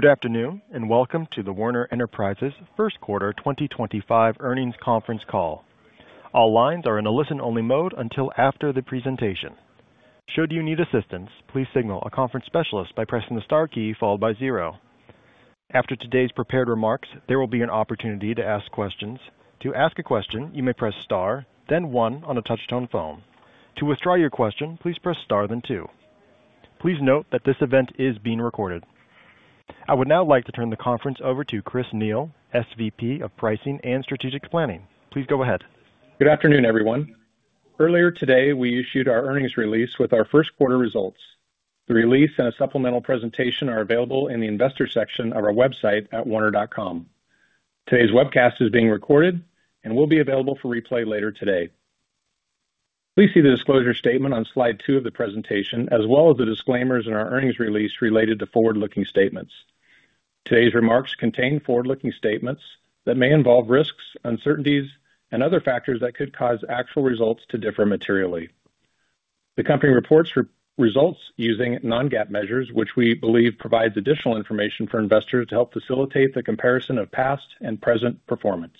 Good afternoon, and welcome to the Werner Enterprises first quarter 2025 earnings conference call. All lines are in a listen-only mode until after the presentation. Should you need assistance, please signal a conference specialist by pressing the star key followed by zero. After today's prepared remarks, there will be an opportunity to ask questions. To ask a question, you may press star, then one on a touch-tone phone. To withdraw your question, please press star, then two. Please note that this event is being recorded. I would now like to turn the conference over to Chris Neil, SVP of Pricing and Strategic Planning. Please go ahead. Good afternoon, everyone. Earlier today, we issued our earnings release with our first quarter results. The release and a supplemental presentation are available in the investor section of our website at werner.com. Today's webcast is being recorded and will be available for replay later today. Please see the disclosure statement on slide two of the presentation, as well as the disclaimers in our earnings release related to forward-looking statements. Today's remarks contain forward-looking statements that may involve risks, uncertainties, and other factors that could cause actual results to differ materially. The company reports results using non-GAAP measures, which we believe provides additional information for investors to help facilitate the comparison of past and present performance.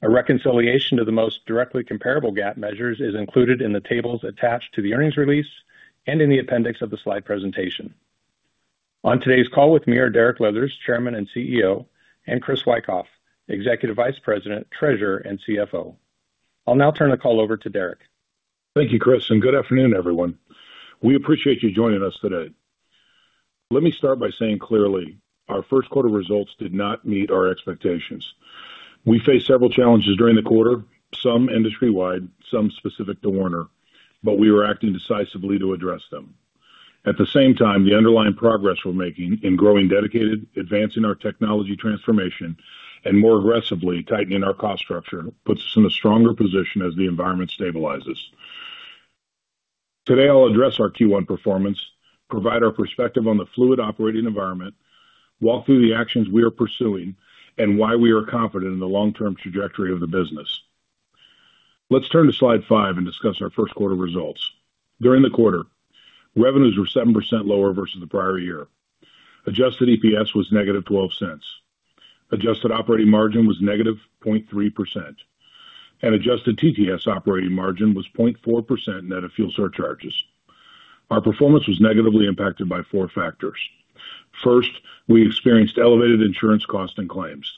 A reconciliation to the most directly comparable GAAP measures is included in the tables attached to the earnings release and in the appendix of the slide presentation. On today's call with me are Derek Leathers, Chairman and CEO, and Chris Wikoff, Executive Vice President, Treasurer, and CFO. I'll now turn the call over to Derek. Thank you, Chris, and good afternoon, everyone. We appreciate you joining us today. Let me start by saying clearly, our first quarter results did not meet our expectations. We faced several challenges during the quarter, some industry-wide, some specific to Werner, but we were acting decisively to address them. At the same time, the underlying progress we're making in growing dedicated, advancing our technology transformation, and more aggressively tightening our cost structure puts us in a stronger position as the environment stabilizes. Today, I'll address our Q1 performance, provide our perspective on the fluid operating environment, walk through the actions we are pursuing, and why we are confident in the long-term trajectory of the business. Let's turn to slide five and discuss our first quarter results. During the quarter, revenues were 7% lower versus the prior year. Adjusted EPS was negative $0.12. Adjusted operating margin was negative 0.3%, and adjusted TTS operating margin was 0.4% net of fuel surcharges. Our performance was negatively impacted by four factors. First, we experienced elevated insurance costs and claims.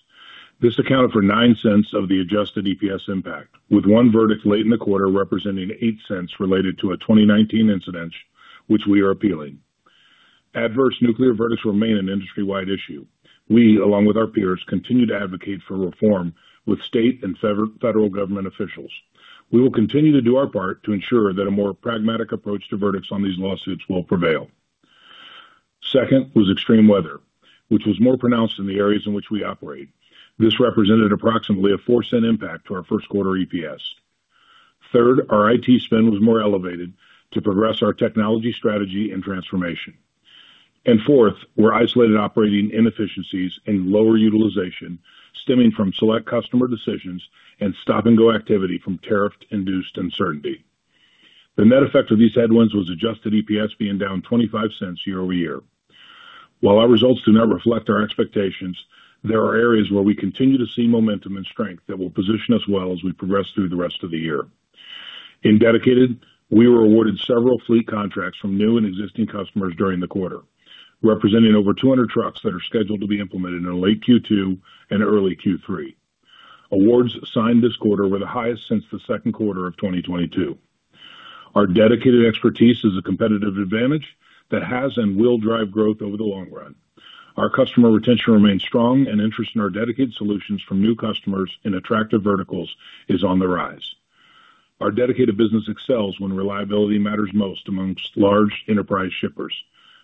This accounted for $0.09 of the adjusted EPS impact, with one verdict late in the quarter representing $0.08 related to a 2019 incident, which we are appealing. Adverse nuclear verdicts remain an industry-wide issue. We, along with our peers, continue to advocate for reform with state and federal government officials. We will continue to do our part to ensure that a more pragmatic approach to verdicts on these lawsuits will prevail. Second was extreme weather, which was more pronounced in the areas in which we operate. This represented approximately a $0.04 impact to our first quarter EPS. Third, our IT spend was more elevated to progress our technology strategy and transformation. Fourth, we are isolated operating inefficiencies and lower utilization stemming from select customer decisions and stop-and-go activity from tariff-induced uncertainty. The net effect of these headwinds was adjusted EPS being down $0.25 year over year. While our results do not reflect our expectations, there are areas where we continue to see momentum and strength that will position us well as we progress through the rest of the year. In dedicated, we were awarded several fleet contracts from new and existing customers during the quarter, representing over 200 trucks that are scheduled to be implemented in late Q2 and early Q3. Awards signed this quarter were the highest since the second quarter of 2022. Our dedicated expertise is a competitive advantage that has and will drive growth over the long run. Our customer retention remains strong, and interest in our dedicated solutions from new customers in attractive verticals is on the rise. Our dedicated business excels when reliability matters most amongst large enterprise shippers.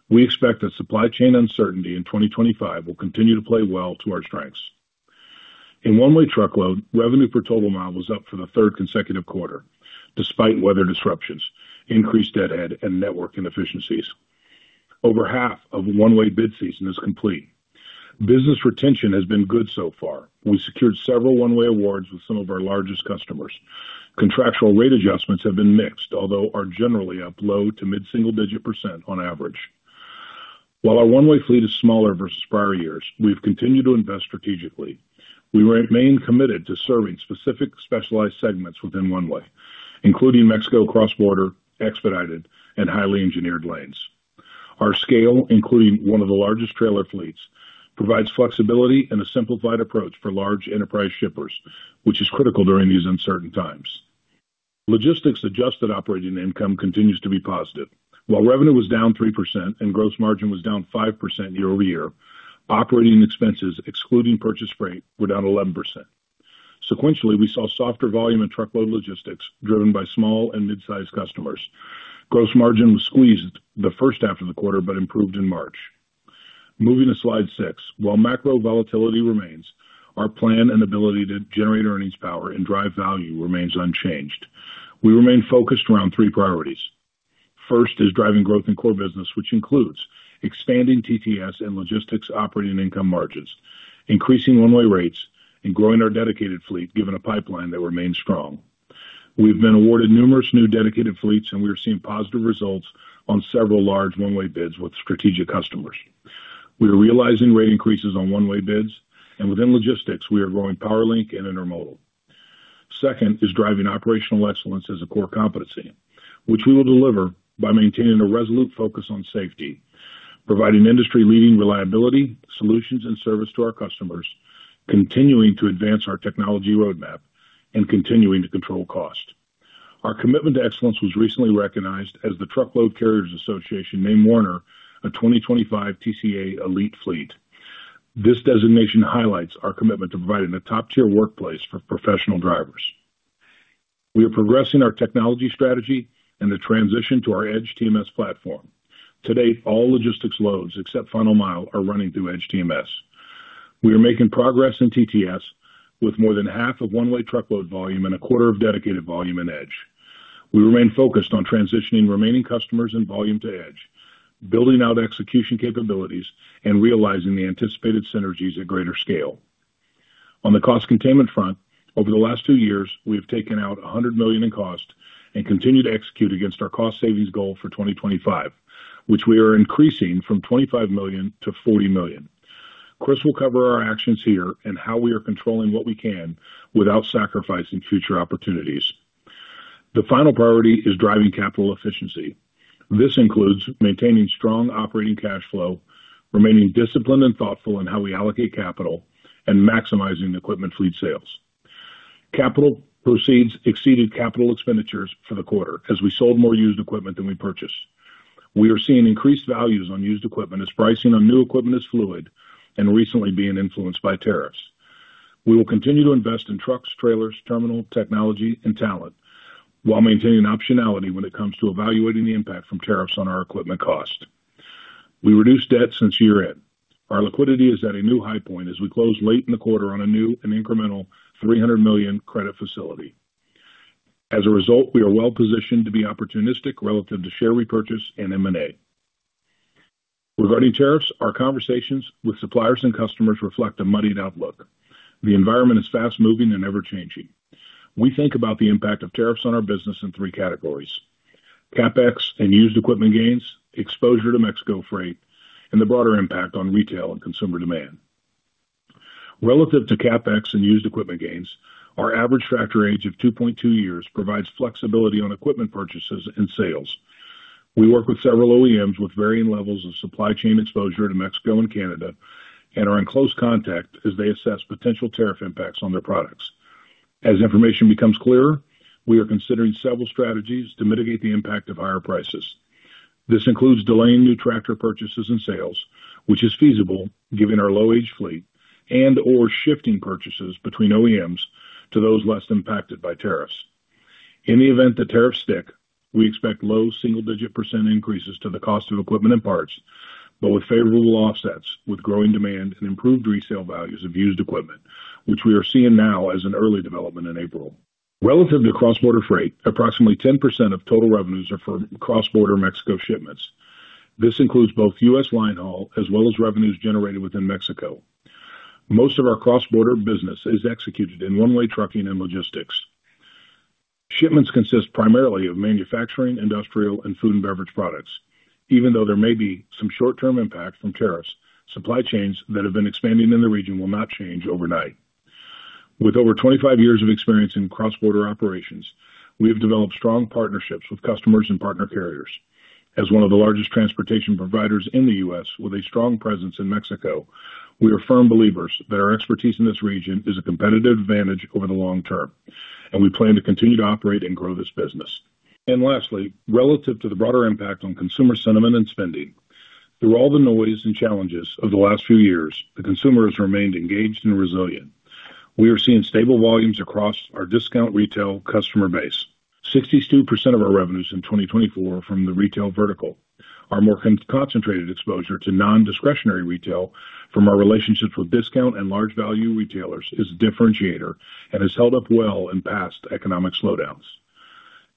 We expect that supply chain uncertainty in 2025 will continue to play well to our strengths. In one-way truckload, revenue per total mile was up for the third consecutive quarter, despite weather disruptions, increased deadhead, and network inefficiencies. Over half of one-way bid season is complete. Business retention has been good so far. We secured several one-way awards with some of our largest customers. Contractual rate adjustments have been mixed, although are generally up low to mid-single-digit percent on average. While our one-way fleet is smaller versus prior years, we've continued to invest strategically. We remain committed to serving specific specialized segments within one-way, including Mexico cross-border, expedited, and highly engineered lanes. Our scale, including one of the largest trailer fleets, provides flexibility and a simplified approach for large enterprise shippers, which is critical during these uncertain times. Logistics adjusted operating income continues to be positive. While revenue was down 3% and gross margin was down 5% year over year, operating expenses, excluding purchase freight, were down 11%. Sequentially, we saw softer volume and truckload logistics driven by small and mid-sized customers. Gross margin was squeezed the first half of the quarter but improved in March. Moving to slide six, while macro volatility remains, our plan and ability to generate earnings power and drive value remains unchanged. We remain focused around three priorities. First is driving growth in core business, which includes expanding TTS and logistics operating income margins, increasing one-way rates, and growing our dedicated fleet given a pipeline that remains strong. We've been awarded numerous new dedicated fleets, and we are seeing positive results on several large one-way bids with strategic customers. We are realizing rate increases on one-way bids, and within logistics, we are growing PowerLink and Intermodal. Second is driving operational excellence as a core competency, which we will deliver by maintaining a resolute focus on safety, providing industry-leading reliability solutions and service to our customers, continuing to advance our technology roadmap, and continuing to control cost. Our commitment to excellence was recently recognized as the Truckload Carriers Association named Werner a 2025 TCA Elite Fleet. This designation highlights our commitment to providing a top-tier workplace for professional drivers. We are progressing our technology strategy and the transition to our EDGE TMS platform. To date, all logistics loads except Final Mile are running through EDGE TMS. We are making progress in TTS with more than half of one-way truckload volume and a quarter of dedicated volume in EDGE. We remain focused on transitioning remaining customers and volume to EDGE, building out execution capabilities, and realizing the anticipated synergies at greater scale. On the cost containment front, over the last two years, we have taken out $100 million in cost and continued to execute against our cost savings goal for 2025, which we are increasing from $25 million-$40 million. Chris will cover our actions here and how we are controlling what we can without sacrificing future opportunities. The final priority is driving capital efficiency. This includes maintaining strong operating cash flow, remaining disciplined and thoughtful in how we allocate capital, and maximizing equipment fleet sales. Capital proceeds exceeded capital expenditures for the quarter as we sold more used equipment than we purchased. We are seeing increased values on used equipment as pricing on new equipment is fluid and recently being influenced by tariffs. We will continue to invest in trucks, trailers, terminal, technology, and talent while maintaining optionality when it comes to evaluating the impact from tariffs on our equipment cost. We reduced debt since year-end. Our liquidity is at a new high point as we close late in the quarter on a new and incremental $300 million credit facility. As a result, we are well-positioned to be opportunistic relative to share repurchase and M&A. Regarding tariffs, our conversations with suppliers and customers reflect a muddied outlook. The environment is fast-moving and ever-changing. We think about the impact of tariffs on our business in three categories: CapEx and used equipment gains, exposure to Mexico freight, and the broader impact on retail and consumer demand. Relative to CapEx and used equipment gains, our average factor age of 2.2 years provides flexibility on equipment purchases and sales. We work with several OEMs with varying levels of supply chain exposure to Mexico and Canada and are in close contact as they assess potential tariff impacts on their products. As information becomes clearer, we are considering several strategies to mitigate the impact of higher prices. This includes delaying new tractor purchases and sales, which is feasible given our low-age fleet, and/or shifting purchases between OEMs to those less impacted by tariffs. In the event that tariffs stick, we expect low single-digit percent increases to the cost of equipment and parts, but with favorable offsets with growing demand and improved resale values of used equipment, which we are seeing now as an early development in April. Relative to cross-border freight, approximately 10% of total revenues are from cross-border Mexico shipments. This includes both U.S. linehaul as well as revenues generated within Mexico. Most of our cross-border business is executed in one-way trucking and logistics. Shipments consist primarily of manufacturing, industrial, and food and beverage products. Even though there may be some short-term impact from tariffs, supply chains that have been expanding in the region will not change overnight. With over 25 years of experience in cross-border operations, we have developed strong partnerships with customers and partner carriers. As one of the largest transportation providers in the U.S. with a strong presence in Mexico, we are firm believers that our expertise in this region is a competitive advantage over the long term, and we plan to continue to operate and grow this business. Lastly, relative to the broader impact on consumer sentiment and spending, through all the noise and challenges of the last few years, the consumer has remained engaged and resilient. We are seeing stable volumes across our discount retail customer base. 62% of our revenues in 2024 are from the retail vertical. Our more concentrated exposure to non-discretionary retail from our relationships with discount and large-value retailers is a differentiator and has held up well in past economic slowdowns.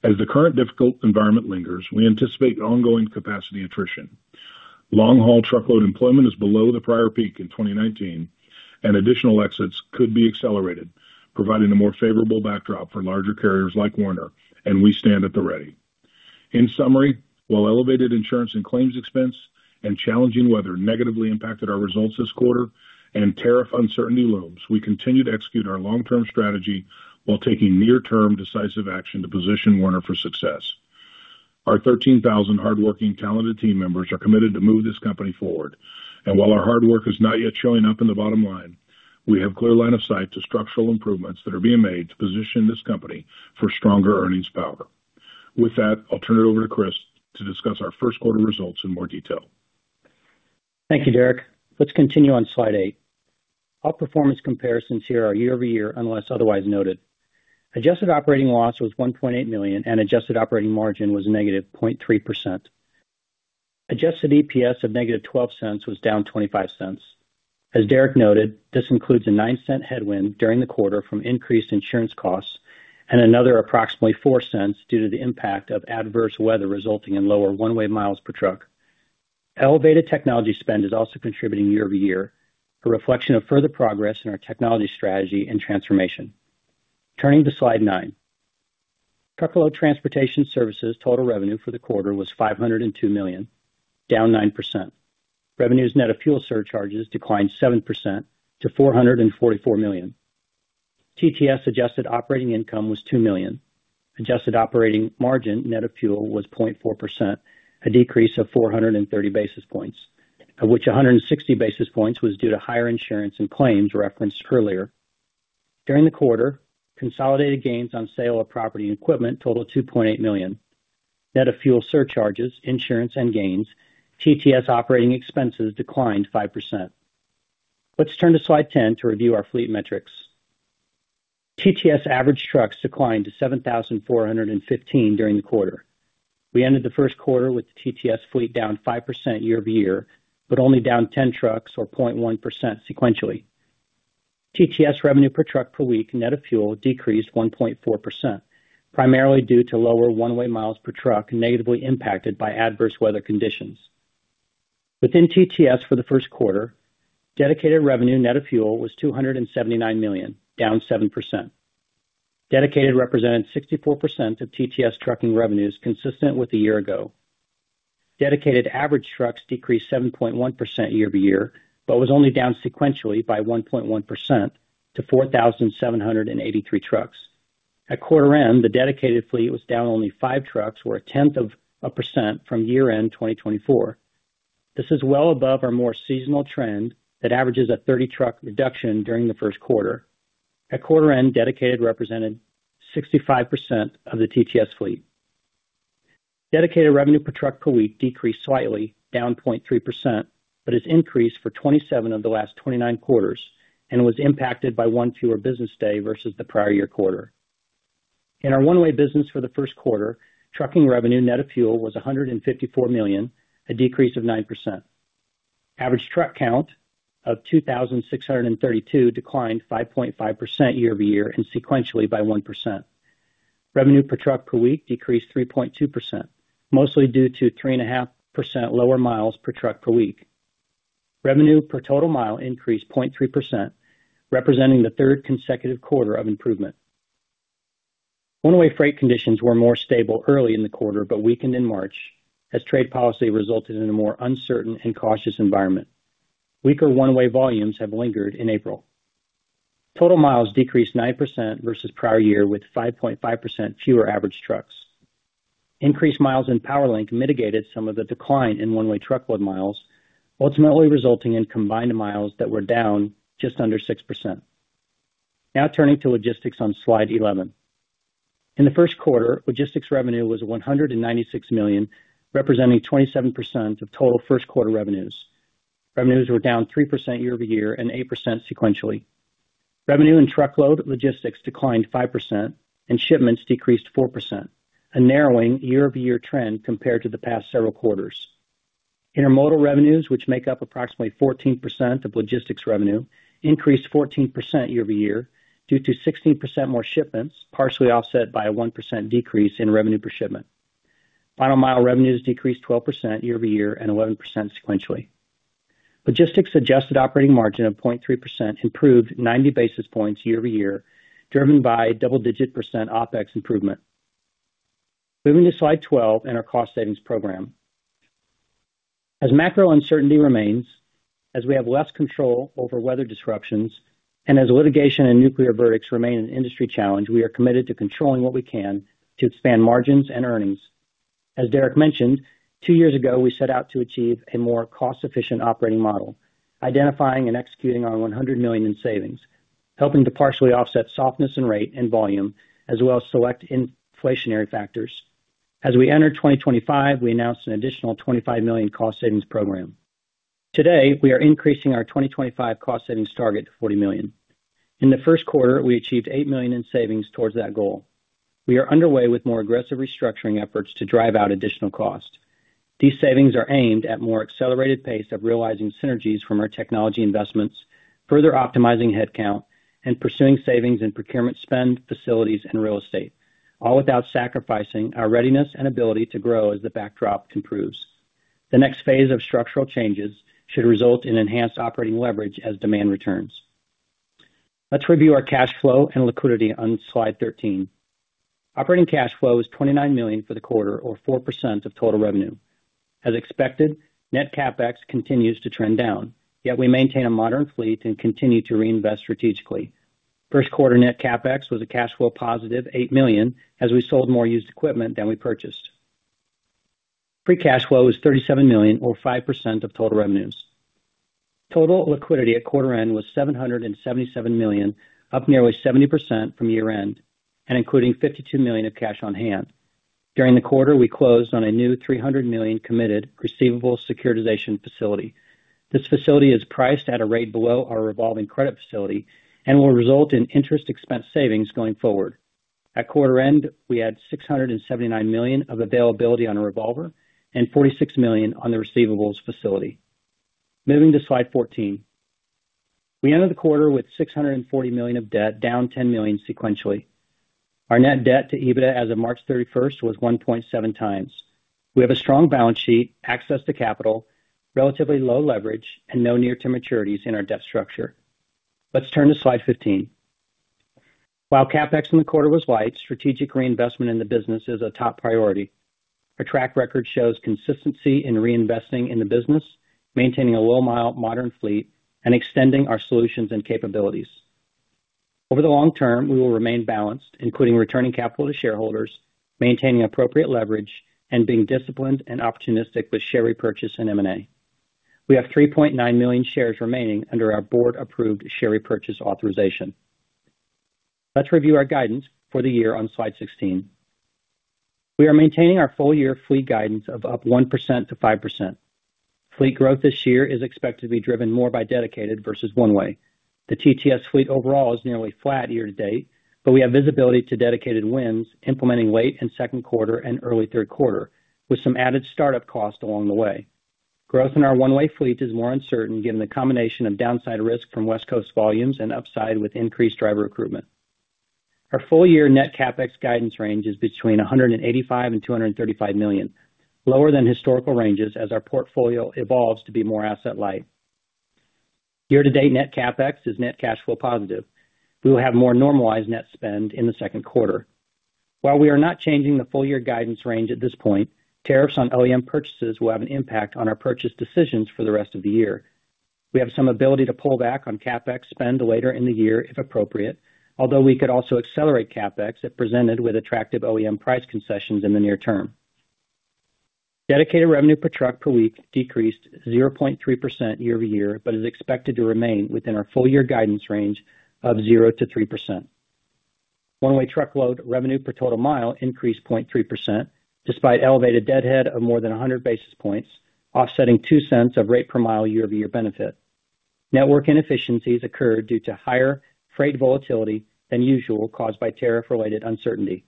As the current difficult environment lingers, we anticipate ongoing capacity attrition. Long-haul truckload employment is below the prior peak in 2019, and additional exits could be accelerated, providing a more favorable backdrop for larger carriers like Werner, and we stand at the ready. In summary, while elevated insurance and claims expense and challenging weather negatively impacted our results this quarter and tariff uncertainty looms, we continue to execute our long-term strategy while taking near-term decisive action to position Werner for success. Our 13,000 hardworking, talented team members are committed to move this company forward. While our hard work is not yet showing up in the bottom line, we have a clear line of sight to structural improvements that are being made to position this company for stronger earnings power. With that, I'll turn it over to Chris to discuss our first quarter results in more detail. Thank you, Derek. Let's continue on slide eight. Our performance comparisons here are year-over-year unless otherwise noted. Adjusted operating loss was $1.8 million and adjusted operating margin was negative 0.3%. Adjusted EPS of negative $0.12 was down $0.25. As Derek noted, this includes a $0.09 headwind during the quarter from increased insurance costs and another approximately $0.04 due to the impact of adverse weather resulting in lower one-way miles per truck. Elevated technology spend is also contributing year-over-year, a reflection of further progress in our technology strategy and transformation. Turning to slide nine, Truckload Transportation Services total revenue for the quarter was $502 million, down 9%. Revenues net of fuel surcharges declined 7% to $444 million. TTS adjusted operating income was $2 million. Adjusted operating margin net of fuel was 0.4%, a decrease of 430 basis points, of which 160 basis points was due to higher insurance and claims referenced earlier. During the quarter, consolidated gains on sale of property and equipment totaled $2.8 million. Net of fuel surcharges, insurance, and gains, TTS operating expenses declined 5%. Let's turn to slide 10 to review our fleet metrics. TTS average trucks declined to 7,415 during the quarter. We ended the first quarter with the TTS fleet down 5% year-over-year, but only down 10 trucks or 0.1% sequentially. TTS revenue per truck per week net of fuel decreased 1.4%, primarily due to lower one-way miles per truck negatively impacted by adverse weather conditions. Within TTS for the first quarter, dedicated revenue net of fuel was $279 million, down 7%. Dedicated represented 64% of TTS trucking revenues consistent with a year ago. Dedicated average trucks decreased 7.1% year-over-year, but was only down sequentially by 1.1% to 4,783 trucks. At quarter-end, the dedicated fleet was down only 5 trucks, or a tenth of a percent from year-end 2024. This is well above our more seasonal trend that averages a 30-truck reduction during the first quarter. At quarter-end, dedicated represented 65% of the TTS fleet. Dedicated revenue per truck per week decreased slightly, down 0.3%, but has increased for 27 of the last 29 quarters and was impacted by one fewer business day versus the prior year quarter. In our one-way business for the first quarter, trucking revenue net of fuel was $154 million, a decrease of 9%. Average truck count of 2,632 declined 5.5% year-over-year and sequentially by 1%. Revenue per truck per week decreased 3.2%, mostly due to 3.5% lower miles per truck per week. Revenue per total mile increased 0.3%, representing the third consecutive quarter of improvement. One-way freight conditions were more stable early in the quarter but weakened in March as trade policy resulted in a more uncertain and cautious environment. Weaker one-way volumes have lingered in April. Total miles decreased 9% versus prior year with 5.5% fewer average trucks. Increased miles in Powerlink mitigated some of the decline in one-way truckload miles, ultimately resulting in combined miles that were down just under 6%. Now turning to logistics on slide 11. In the first quarter, logistics revenue was $196 million, representing 27% of total first quarter revenues. Revenues were down 3% year-over-year and 8% sequentially. Revenue in truckload logistics declined 5%, and shipments decreased 4%, a narrowing year-over-year trend compared to the past several quarters. Intermodal revenues, which make up approximately 14% of logistics revenue, increased 14% year-over-year due to 16% more shipments, partially offset by a 1% decrease in revenue per shipment. Final Mile revenues decreased 12% year-over-year and 11% sequentially. Logistics adjusted operating margin of 0.3% improved 90 basis points year-over-year, driven by double-digit percent OPEX improvement. Moving to slide 12 in our cost savings program. As macro uncertainty remains, as we have less control over weather disruptions, and as litigation and nuclear verdicts remain an industry challenge, we are committed to controlling what we can to expand margins and earnings. As Derek mentioned, two years ago, we set out to achieve a more cost-efficient operating model, identifying and executing our $100 million in savings, helping to partially offset softness in rate and volume, as well as select inflationary factors. As we enter 2025, we announced an additional $25 million cost savings program. Today, we are increasing our 2025 cost savings target to $40 million. In the first quarter, we achieved $8 million in savings towards that goal. We are underway with more aggressive restructuring efforts to drive out additional cost. These savings are aimed at more accelerated pace of realizing synergies from our technology investments, further optimizing headcount, and pursuing savings in procurement spend, facilities, and real estate, all without sacrificing our readiness and ability to grow as the backdrop improves. The next phase of structural changes should result in enhanced operating leverage as demand returns. Let's review our cash flow and liquidity on slide 13. Operating cash flow was $29 million for the quarter, or 4% of total revenue. As expected, net CapEx continues to trend down, yet we maintain a modern fleet and continue to reinvest strategically. First quarter net CapEx was a cash flow positive $8 million as we sold more used equipment than we purchased. Free cash flow was $37 million, or 5% of total revenues. Total liquidity at quarter-end was $777 million, up nearly 70% from year-end, and including $52 million of cash on hand. During the quarter, we closed on a new $300 million committed receivable securitization facility. This facility is priced at a rate below our revolving credit facility and will result in interest expense savings going forward. At quarter-end, we had $679 million of availability on a revolver and $46 million on the receivables facility. Moving to slide 14. We entered the quarter with $640 million of debt, down $10 million sequentially. Our net debt to EBITDA as of March 31 was 1.7 times. We have a strong balance sheet, access to capital, relatively low leverage, and no near-term maturities in our debt structure. Let's turn to slide 15. While CapEx in the quarter was light, strategic reinvestment in the business is a top priority. Our track record shows consistency in reinvesting in the business, maintaining a low-mile modern fleet, and extending our solutions and capabilities. Over the long term, we will remain balanced, including returning capital to shareholders, maintaining appropriate leverage, and being disciplined and opportunistic with share repurchase and M&A. We have 3.9 million shares remaining under our board-approved share repurchase authorization. Let's review our guidance for the year on slide 16. We are maintaining our full-year fleet guidance of up 1%-5%. Fleet growth this year is expected to be driven more by dedicated versus one-way. The TTS fleet overall is nearly flat year-to-date, but we have visibility to dedicated wins implementing late in second quarter and early third quarter, with some added startup cost along the way. Growth in our one-way fleet is more uncertain given the combination of downside risk from West Coast volumes and upside with increased driver recruitment. Our full-year net CapEx guidance range is between $185 million and $235 million, lower than historical ranges as our portfolio evolves to be more asset-light. Year-to-date net CapEx is net cash flow positive. We will have more normalized net spend in the second quarter. While we are not changing the full-year guidance range at this point, tariffs on OEM purchases will have an impact on our purchase decisions for the rest of the year. We have some ability to pull back on CapEx spend later in the year if appropriate, although we could also accelerate CapEx if presented with attractive OEM price concessions in the near term. Dedicated revenue per truck per week decreased 0.3% year-over-year, but is expected to remain within our full-year guidance range of 0-3%. One-Way Truckload revenue per total mile increased 0.3% despite elevated deadhead of more than 100 basis points, offsetting $0.02 of rate per mile year-over-year benefit. Network inefficiencies occurred due to higher freight volatility than usual caused by tariff-related uncertainty.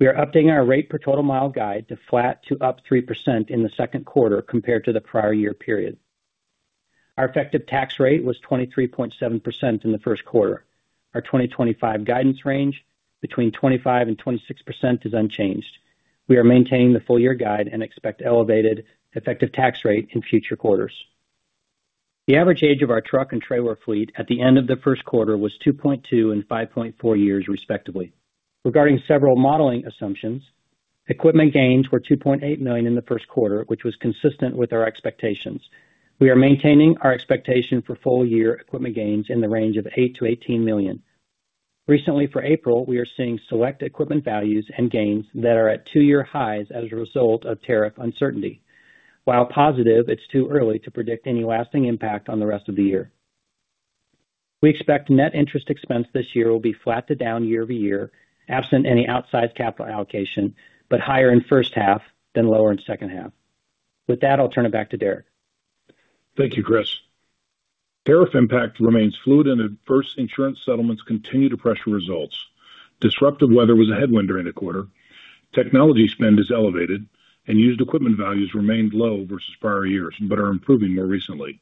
We are updating our rate per total mile guide to flat to up 3% in the second quarter compared to the prior year period. Our effective tax rate was 23.7% in the first quarter. Our 2025 guidance range between 25-26% is unchanged. We are maintaining the full-year guide and expect elevated effective tax rate in future quarters. The average age of our truck and trailer fleet at the end of the first quarter was 2.2 and 5.4 years, respectively. Regarding several modeling assumptions, equipment gains were $2.8 million in the first quarter, which was consistent with our expectations. We are maintaining our expectation for full-year equipment gains in the range of $8 million-$18 million. Recently, for April, we are seeing select equipment values and gains that are at two-year highs as a result of tariff uncertainty. While positive, it's too early to predict any lasting impact on the rest of the year. We expect net interest expense this year will be flat to down year-over-year, absent any outsized capital allocation, but higher in first half than lower in second half. With that, I'll turn it back to Derek. Thank you, Chris. Tariff impact remains fluid and adverse insurance settlements continue to pressure results. Disruptive weather was a headwind during the quarter. Technology spend is elevated, and used equipment values remained low versus prior years but are improving more recently.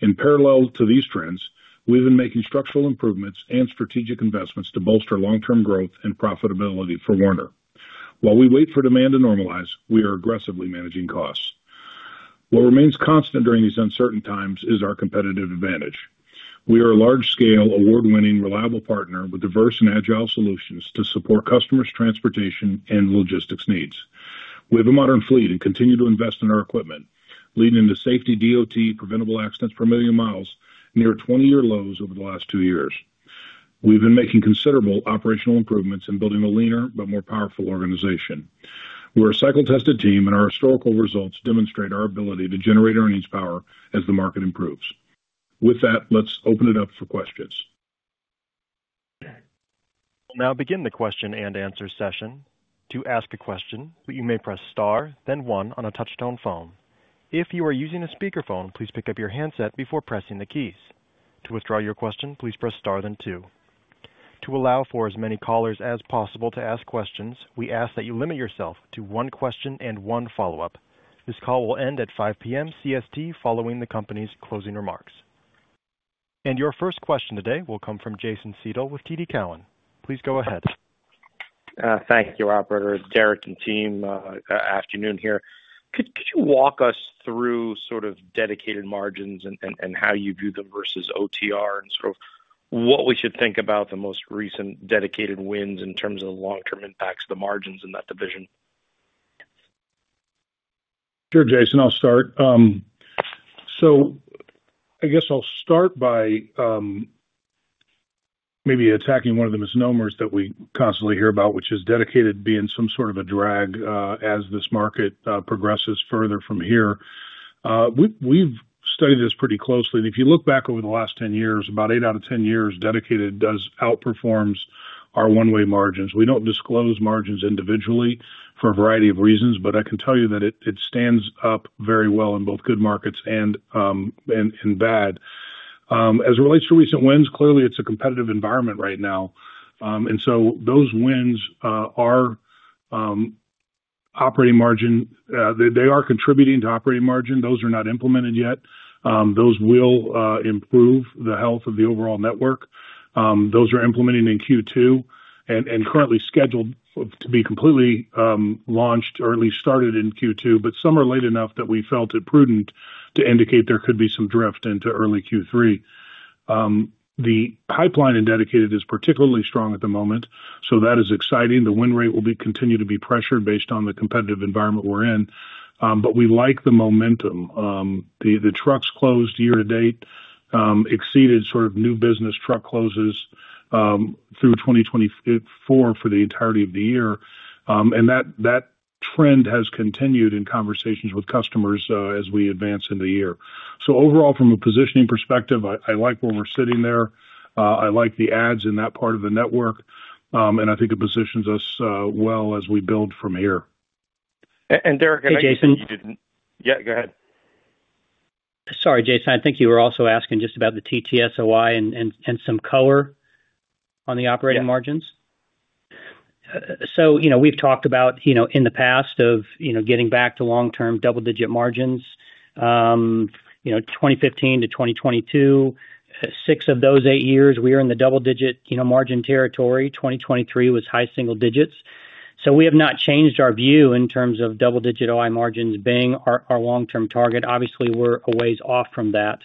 In parallel to these trends, we've been making structural improvements and strategic investments to bolster long-term growth and profitability for Werner. While we wait for demand to normalize, we are aggressively managing costs. What remains constant during these uncertain times is our competitive advantage. We are a large-scale, award-winning, reliable partner with diverse and agile solutions to support customers' transportation and logistics needs. We have a modern fleet and continue to invest in our equipment, leading to safety DOT, preventable accidents per million miles, near 20-year lows over the last two years. We've been making considerable operational improvements and building a leaner but more powerful organization. We're a cycle-tested team, and our historical results demonstrate our ability to generate earnings power as the market improves. With that, let's open it up for questions. We'll now begin the question and answer session. To ask a question, you may press star, then one on a touch-tone phone. If you are using a speakerphone, please pick up your handset before pressing the keys. To withdraw your question, please press star, then two. To allow for as many callers as possible to ask questions, we ask that you limit yourself to one question and one follow-up. This call will end at 5:00 P.M. CST following the company's closing remarks. Your first question today will come from Jason Seidl with TD Cowen. Please go ahead. Thank you, Operator. Derek and team, good afternoon here. Could you walk us through sort of dedicated margins and how you view them versus OTR and sort of what we should think about the most recent dedicated wins in terms of the long-term impacts of the margins in that division? Sure, Jason. I'll start. I guess I'll start by maybe attacking one of the misnomers that we constantly hear about, which is dedicated being some sort of a drag as this market progresses further from here. We've studied this pretty closely. If you look back over the last 10 years, about 8 out of 10 years, dedicated does outperform our one-way margins. We don't disclose margins individually for a variety of reasons, but I can tell you that it stands up very well in both good markets and bad. As it relates to recent wins, clearly, it's a competitive environment right now. Those wins are operating margin; they are contributing to operating margin. Those are not implemented yet. Those will improve the health of the overall network. Those are implemented in Q2 and currently scheduled to be completely launched or at least started in Q2, but some are late enough that we felt it prudent to indicate there could be some drift into early Q3. The pipeline in dedicated is particularly strong at the moment, so that is exciting. The win rate will continue to be pressured based on the competitive environment we're in, but we like the momentum. The trucks closed year-to-date exceeded sort of new business truck closes through 2024 for the entirety of the year. That trend has continued in conversations with customers as we advance into the year. Overall, from a positioning perspective, I like where we're sitting there. I like the ads in that part of the network, and I think it positions us well as we build from here. Derek, I think you didn't— yeah, go ahead. Sorry, Jason. I think you were also asking just about the TTS OI and some color on the operating margins. We've talked about in the past of getting back to long-term double-digit margins. 2015 to 2022, six of those eight years, we were in the double-digit margin territory. 2023 was high single digits. We have not changed our view in terms of double-digit OI margins being our long-term target. Obviously, we're a ways off from that.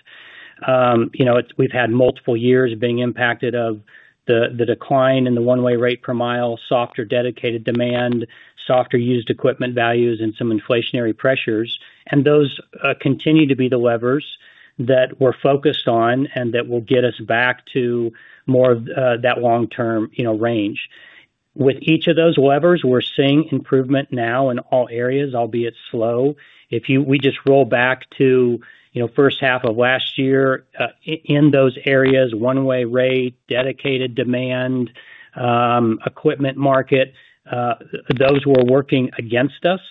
We've had multiple years being impacted of the decline in the one-way rate per mile, softer dedicated demand, softer used equipment values, and some inflationary pressures. Those continue to be the levers that we're focused on and that will get us back to more of that long-term range. With each of those levers, we're seeing improvement now in all areas, albeit slow. If we just roll back to the first half of last year in those areas, one-way rate, dedicated demand, equipment market, those were working against us.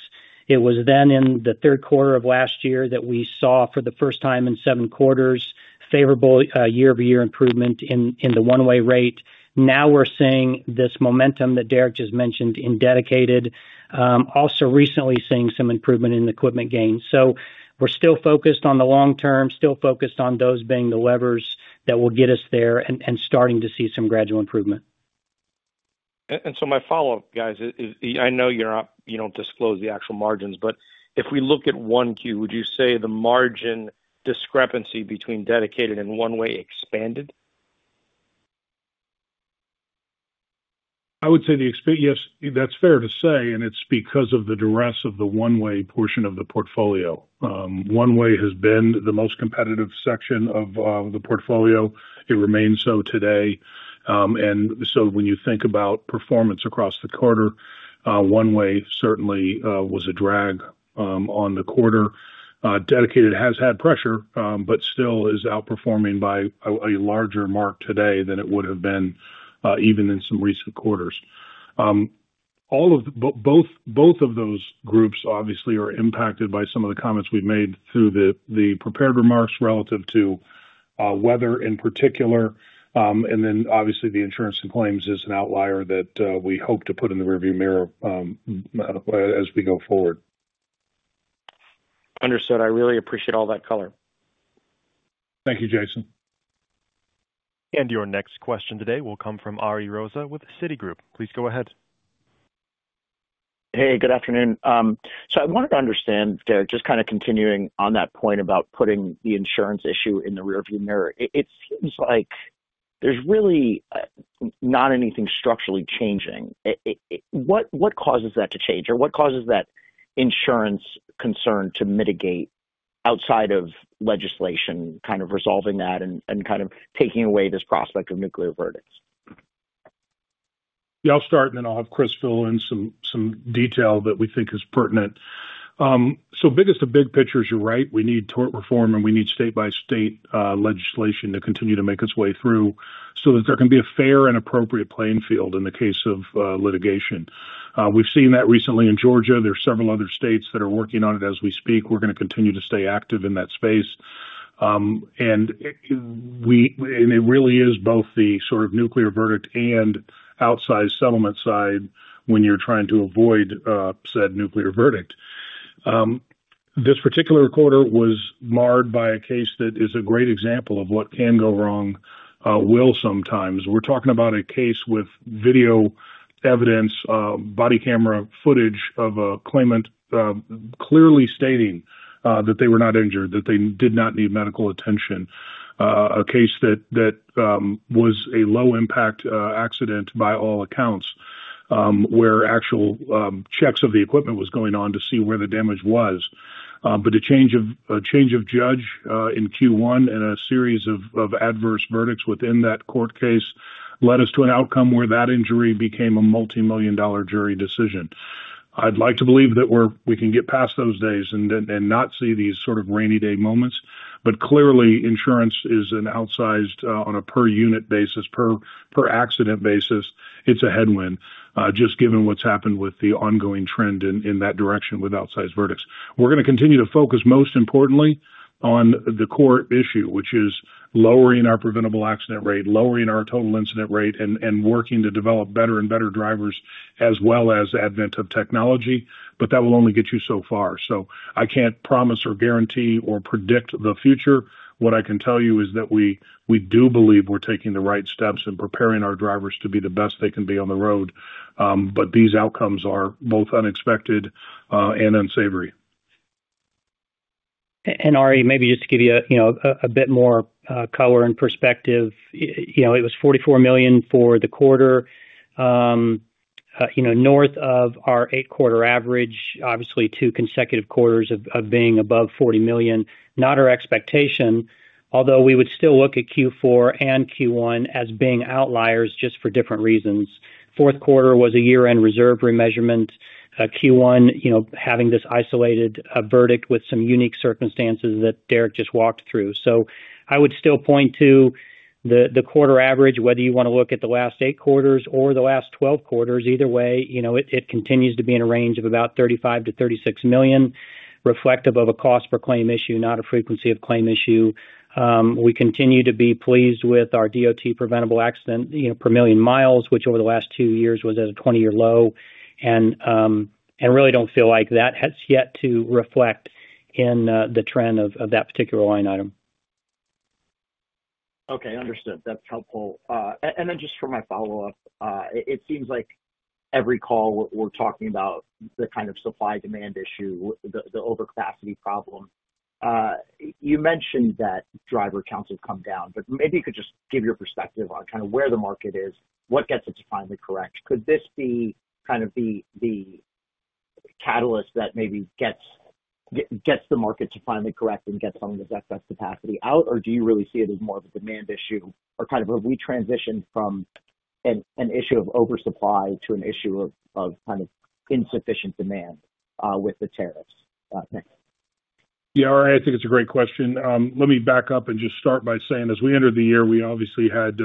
It was then in the third quarter of last year that we saw for the first time in seven quarters favorable year-to-year improvement in the one-way rate. Now we're seeing this momentum that Derek just mentioned in dedicated, also recently seeing some improvement in equipment gains. We are still focused on the long term, still focused on those being the levers that will get us there and starting to see some gradual improvement. My follow-up, guys, is I know you do not disclose the actual margins, but if we look at one Q, would you say the margin discrepancy between dedicated and one-way expanded? I would say the expansion, yes, that's fair to say, and it's because of the duress of the one-way portion of the portfolio. One-way has been the most competitive section of the portfolio. It remains so today. When you think about performance across the quarter, one-way certainly was a drag on the quarter. Dedicated has had pressure but still is outperforming by a larger mark today than it would have been even in some recent quarters. Both of those groups obviously are impacted by some of the comments we've made through the prepared remarks relative to weather in particular. Obviously, the insurance and claims is an outlier that we hope to put in the rearview mirror as we go forward. Understood. I really appreciate all that color. Thank you, Jason. Your next question today will come from Ari Rosa with Citigroup. Please go ahead. Hey, good afternoon. I wanted to understand, Derek, just kind of continuing on that point about putting the insurance issue in the rearview mirror. It seems like there's really not anything structurally changing. What causes that to change? Or what causes that insurance concern to mitigate outside of legislation, kind of resolving that and kind of taking away this prospect of nuclear verdicts? Yeah, I'll start, and then I'll have Chris fill in some detail that we think is pertinent. Biggest of big pictures, you're right, we need tort reform, and we need state-by-state legislation to continue to make its way through so that there can be a fair and appropriate playing field in the case of litigation. We've seen that recently in Georgia. There are several other states that are working on it as we speak. We're going to continue to stay active in that space. It really is both the sort of nuclear verdict and outsized settlement side when you're trying to avoid said nuclear verdict. This particular quarter was marred by a case that is a great example of what can go wrong will sometimes. We're talking about a case with video evidence, body camera footage of a claimant clearly stating that they were not injured, that they did not need medical attention. A case that was a low-impact accident by all accounts where actual checks of the equipment were going on to see where the damage was. A change of judge in Q1 and a series of adverse verdicts within that court case led us to an outcome where that injury became a multi-million dollar jury decision. I'd like to believe that we can get past those days and not see these sort of rainy day moments. Clearly, insurance is an outsized on a per-unit basis, per-accident basis. It is a headwind just given what has happened with the ongoing trend in that direction with outsized verdicts. We are going to continue to focus most importantly on the core issue, which is lowering our preventable accident rate, lowering our total incident rate, and working to develop better and better drivers as well as the advent of technology. That will only get you so far. I cannot promise or guarantee or predict the future. What I can tell you is that we do believe we are taking the right steps and preparing our drivers to be the best they can be on the road. These outcomes are both unexpected and unsavory. Ari, maybe just to give you a bit more color and perspective, it was $44 million for the quarter, north of our eight-quarter average, obviously two consecutive quarters of being above $40 million. Not our expectation, although we would still look at Q4 and Q1 as being outliers just for different reasons. Fourth quarter was a year-end reserve remeasurement. Q1, having this isolated verdict with some unique circumstances that Derek just walked through. I would still point to the quarter average, whether you want to look at the last eight quarters or the last 12 quarters, either way, it continues to be in a range of about $35-$36 million, reflective of a cost per claim issue, not a frequency of claim issue. We continue to be pleased with our DOT preventable accident per million miles, which over the last two years was at a 20-year low, and really do not feel like that has yet to reflect in the trend of that particular line item. Okay. Understood. That is helpful. Just for my follow-up, it seems like every call we are talking about the kind of supply-demand issue, the overcapacity problem. You mentioned that driver counts have come down, but maybe you could just give your perspective on kind of where the market is, what gets it to finally correct. Could this be kind of the catalyst that maybe gets the market to finally correct and get some of this excess capacity out, or do you really see it as more of a demand issue? Or have we transitioned from an issue of oversupply to an issue of insufficient demand with the tariffs? Yeah, Ari, I think it's a great question. Let me back up and just start by saying, as we entered the year, we obviously had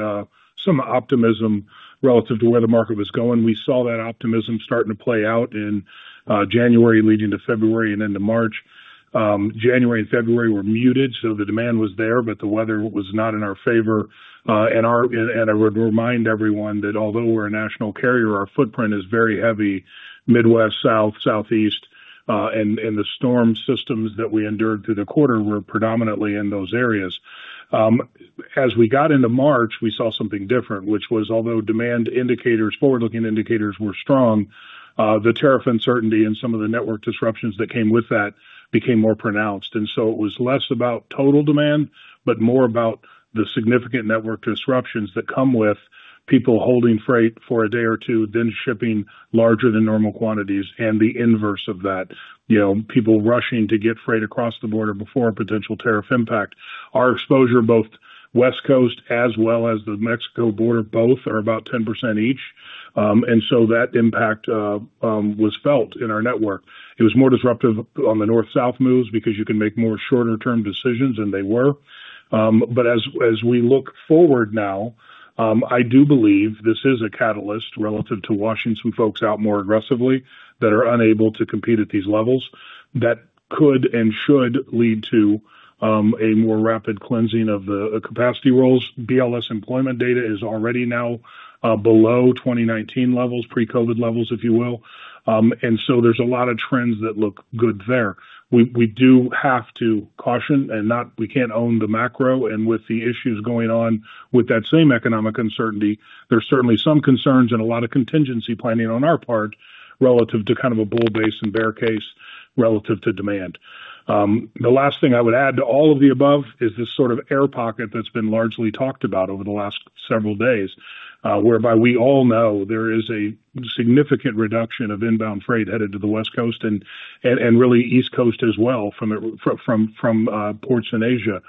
some optimism relative to where the market was going. We saw that optimism starting to play out in January leading to February and into March. January and February were muted, so the demand was there, but the weather was not in our favor. I would remind everyone that although we're a national carrier, our footprint is very heavy Midwest, South, Southeast, and the storm systems that we endured through the quarter were predominantly in those areas. As we got into March, we saw something different, which was, although demand indicators, forward-looking indicators were strong, the tariff uncertainty and some of the network disruptions that came with that became more pronounced. It was less about total demand, but more about the significant network disruptions that come with people holding freight for a day or two, then shipping larger than normal quantities, and the inverse of that, people rushing to get freight across the border before a potential tariff impact. Our exposure, both West Coast as well as the Mexico border, both are about 10% each. That impact was felt in our network. It was more disruptive on the north-south moves because you can make more shorter-term decisions, and they were. As we look forward now, I do believe this is a catalyst relative to washing some folks out more aggressively that are unable to compete at these levels that could and should lead to a more rapid cleansing of the capacity roles. BLS employment data is already now below 2019 levels, pre-COVID levels, if you will. There are a lot of trends that look good there. We do have to caution, and we cannot own the macro. With the issues going on with that same economic uncertainty, there are certainly some concerns and a lot of contingency planning on our part relative to kind of a bull base and bear case relative to demand. The last thing I would add to all of the above is this sort of air pocket that's been largely talked about over the last several days, whereby we all know there is a significant reduction of inbound freight headed to the West Coast and really East Coast as well from ports in Asia.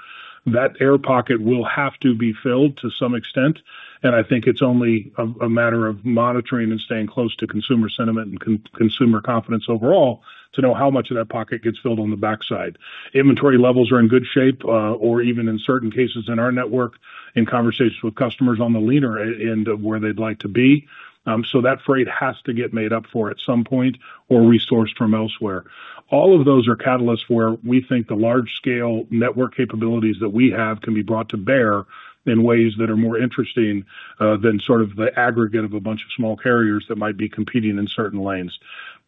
That air pocket will have to be filled to some extent. I think it's only a matter of monitoring and staying close to consumer sentiment and consumer confidence overall to know how much of that pocket gets filled on the backside. Inventory levels are in good shape, or even in certain cases in our network, in conversations with customers on the leaner end of where they'd like to be. That freight has to get made up for at some point or resourced from elsewhere. All of those are catalysts where we think the large-scale network capabilities that we have can be brought to bear in ways that are more interesting than sort of the aggregate of a bunch of small carriers that might be competing in certain lanes.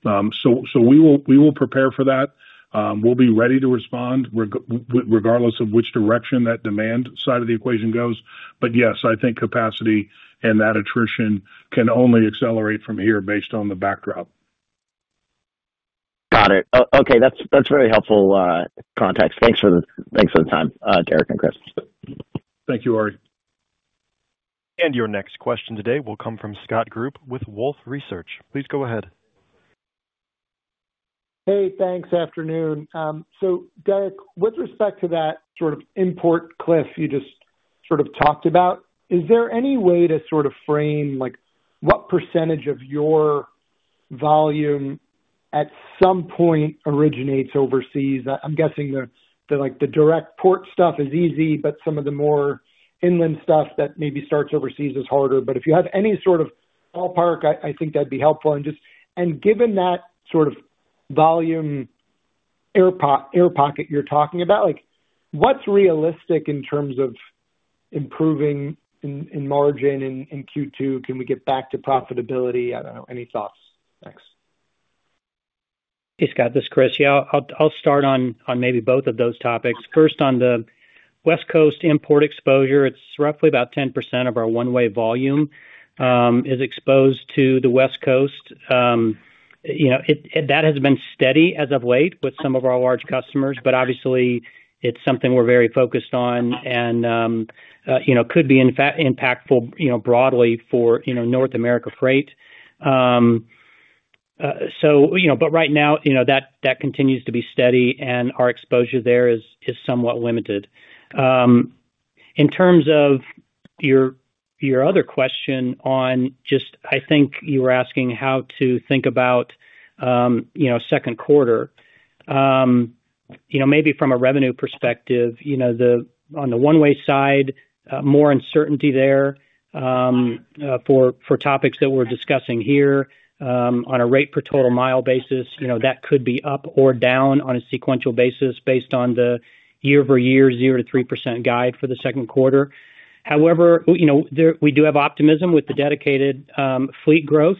We will prepare for that. We'll be ready to respond regardless of which direction that demand side of the equation goes. Yes, I think capacity and that attrition can only accelerate from here based on the backdrop. Got it. Okay. That's very helpful context. Thanks for the time, Derek and Chris. Thank you, Ari. Your next question today will come from Scott Group with Wolfe Research. Please go ahead. Hey, thanks. Afternoon. Derek, with respect to that sort of import cliff you just sort of talked about, is there any way to sort of frame what percentage of your volume at some point originates overseas? I'm guessing the direct port stuff is easy, but some of the more inland stuff that maybe starts overseas is harder. If you have any sort of ballpark, I think that'd be helpful. Given that sort of volume air pocket you're talking about, what's realistic in terms of improving in margin in Q2? Can we get back to profitability? I don't know. Any thoughts? Thanks. Hey, Scott, this is Chris. I'll start on maybe both of those topics. First, on the West Coast import exposure, it's roughly about 10% of our one-way volume is exposed to the West Coast. That has been steady as of late with some of our large customers, but obviously, it's something we're very focused on and could be impactful broadly for North America freight. Right now, that continues to be steady, and our exposure there is somewhat limited. In terms of your other question on just, I think you were asking how to think about second quarter, maybe from a revenue perspective, on the one-way side, more uncertainty there for topics that we're discussing here on a rate per total mile basis. That could be up or down on a sequential basis based on the year-over-year 0-3% guide for the second quarter. However, we do have optimism with the dedicated fleet growth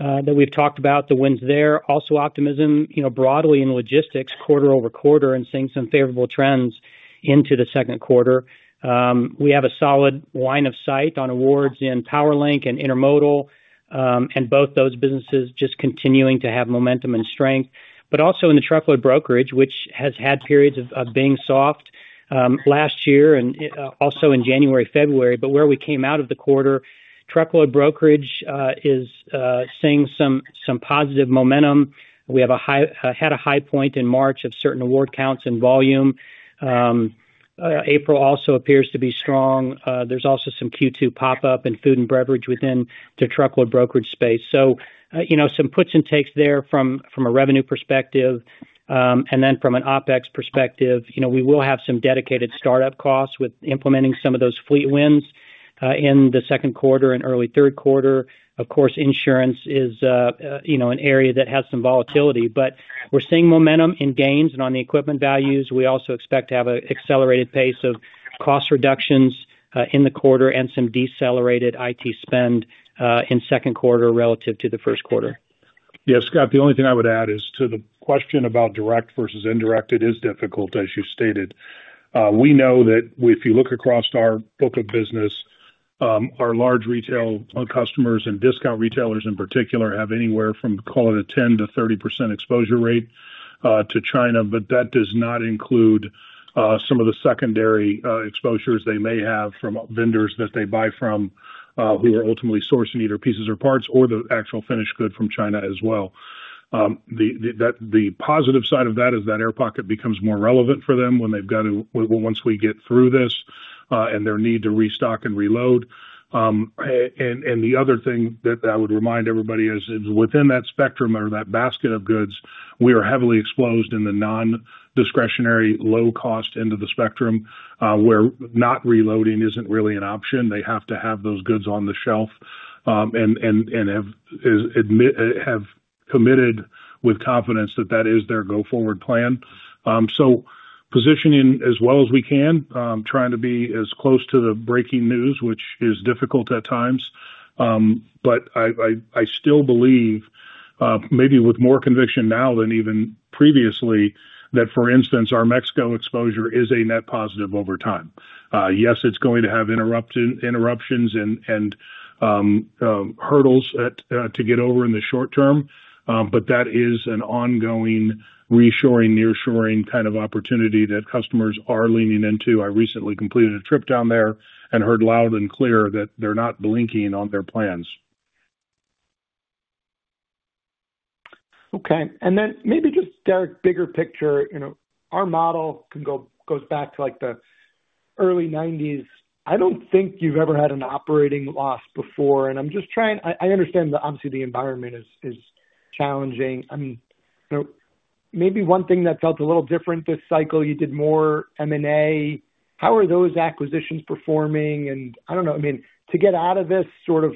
that we've talked about, the wins there. Also optimism broadly in logistics, quarter over quarter, and seeing some favorable trends into the second quarter. We have a solid line of sight on awards in Powerlink and Intermodal, and both those businesses just continuing to have momentum and strength. Also in the truckload brokerage, which has had periods of being soft last year and also in January, February. Where we came out of the quarter, truckload brokerage is seeing some positive momentum. We had a high point in March of certain award counts and volume. April also appears to be strong. There is also some Q2 pop-up in food and beverage within the truckload brokerage space. Some puts and takes there from a revenue perspective. From an OPEX perspective, we will have some dedicated startup costs with implementing some of those fleet wins in the second quarter and early third quarter. Of course, insurance is an area that has some volatility. We're seeing momentum in gains and on the equipment values. We also expect to have an accelerated pace of cost reductions in the quarter and some decelerated IT spend in second quarter relative to the first quarter. Yeah, Scott, the only thing I would add is to the question about direct versus indirect, it is difficult, as you stated. We know that if you look across our book of business, our large retail customers and discount retailers in particular have anywhere from, call it a 10-30% exposure rate to China, but that does not include some of the secondary exposures they may have from vendors that they buy from who are ultimately sourcing either pieces or parts or the actual finished good from China as well. The positive side of that is that air pocket becomes more relevant for them when they've got to, once we get through this and their need to restock and reload. The other thing that I would remind everybody is within that spectrum or that basket of goods, we are heavily exposed in the non-discretionary low-cost end of the spectrum where not reloading isn't really an option. They have to have those goods on the shelf and have committed with confidence that that is their go-forward plan. Positioning as well as we can, trying to be as close to the breaking news, which is difficult at times. I still believe, maybe with more conviction now than even previously, that, for instance, our Mexico exposure is a net positive over time. Yes, it's going to have interruptions and hurdles to get over in the short term, but that is an ongoing reassuring, near-assuring kind of opportunity that customers are leaning into. I recently completed a trip down there and heard loud and clear that they're not blinking on their plans. Okay. Maybe just, Derek, bigger picture, our model goes back to the early 1990s. I don't think you've ever had an operating loss before. I'm just trying to understand that obviously the environment is challenging. Maybe one thing that felt a little different this cycle, you did more M&A. How are those acquisitions performing? I don't know. I mean, to get out of this sort of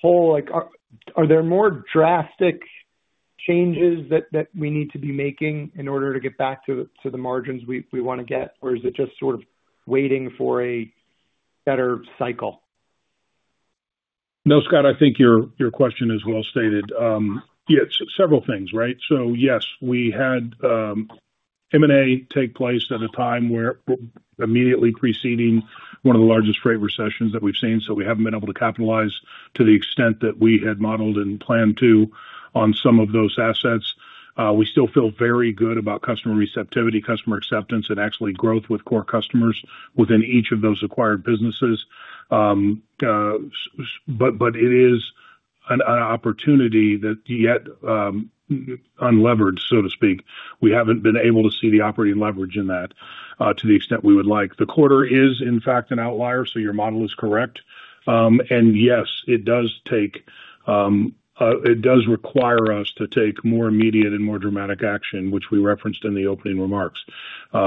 hole, are there more drastic changes that we need to be making in order to get back to the margins we want to get, or is it just sort of waiting for a better cycle? No, Scott, I think your question is well stated. Yeah, several things, right? Yes, we had M&A take place at a time where immediately preceding one of the largest freight recessions that we've seen, so we haven't been able to capitalize to the extent that we had modeled and planned to on some of those assets. We still feel very good about customer receptivity, customer acceptance, and actually growth with core customers within each of those acquired businesses. It is an opportunity that yet unlevered, so to speak. We haven't been able to see the operating leverage in that to the extent we would like. The quarter is, in fact, an outlier, so your model is correct. Yes, it does require us to take more immediate and more dramatic action, which we referenced in the opening remarks.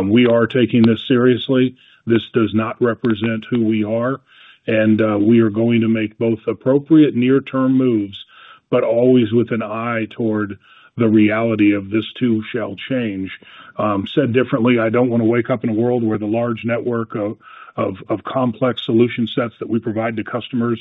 We are taking this seriously. This does not represent who we are. We are going to make both appropriate near-term moves, but always with an eye toward the reality of this too shall change. Said differently, I don't want to wake up in a world where the large network of complex solution sets that we provide to customers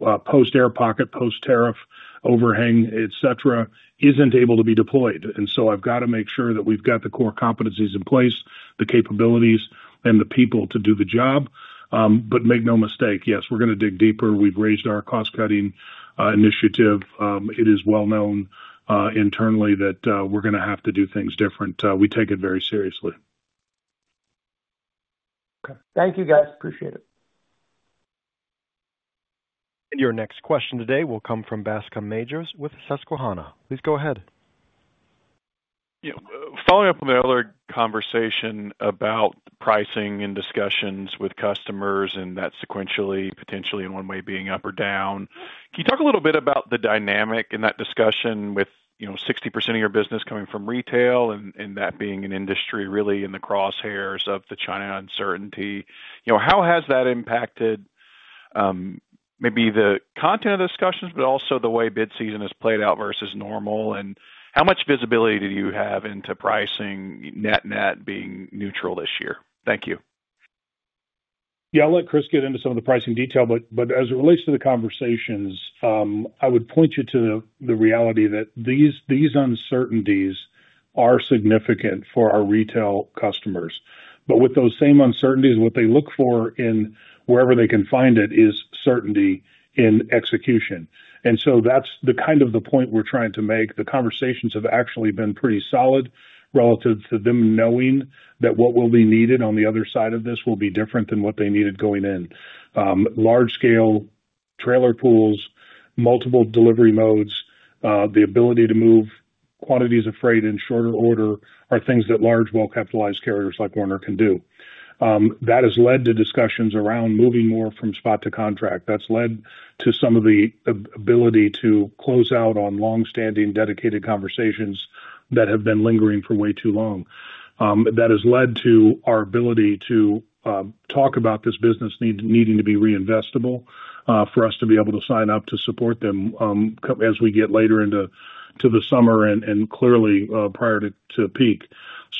post-air pocket, post-tariff overhang, etc., isn't able to be deployed. I have to make sure that we've got the core competencies in place, the capabilities, and the people to do the job. Make no mistake, yes, we're going to dig deeper. We've raised our cost-cutting initiative. It is well known internally that we're going to have to do things different. We take it very seriously. Okay. Thank you, guys. Appreciate it. Your next question today will come from Bascome Majors with Susquehanna. Please go ahead. Following up on the other conversation about pricing and discussions with customers and that sequentially, potentially in one way being up or down, can you talk a little bit about the dynamic in that discussion with 60% of your business coming from retail and that being an industry really in the crosshairs of the China uncertainty? How has that impacted maybe the content of the discussions, but also the way bid season has played out versus normal? How much visibility do you have into pricing net-net being neutral this year? Thank you. Yeah, I'll let Chris get into some of the pricing detail. As it relates to the conversations, I would point you to the reality that these uncertainties are significant for our retail customers. With those same uncertainties, what they look for in wherever they can find it is certainty in execution. That is the kind of the point we're trying to make. The conversations have actually been pretty solid relative to them knowing that what will be needed on the other side of this will be different than what they needed going in. Large-scale trailer pools, multiple delivery modes, the ability to move quantities of freight in shorter order are things that large, well-capitalized carriers like Werner can do. That has led to discussions around moving more from spot to contract. That's led to some of the ability to close out on long-standing dedicated conversations that have been lingering for way too long. That has led to our ability to talk about this business needing to be reinvestable for us to be able to sign up to support them as we get later into the summer and clearly prior to peak.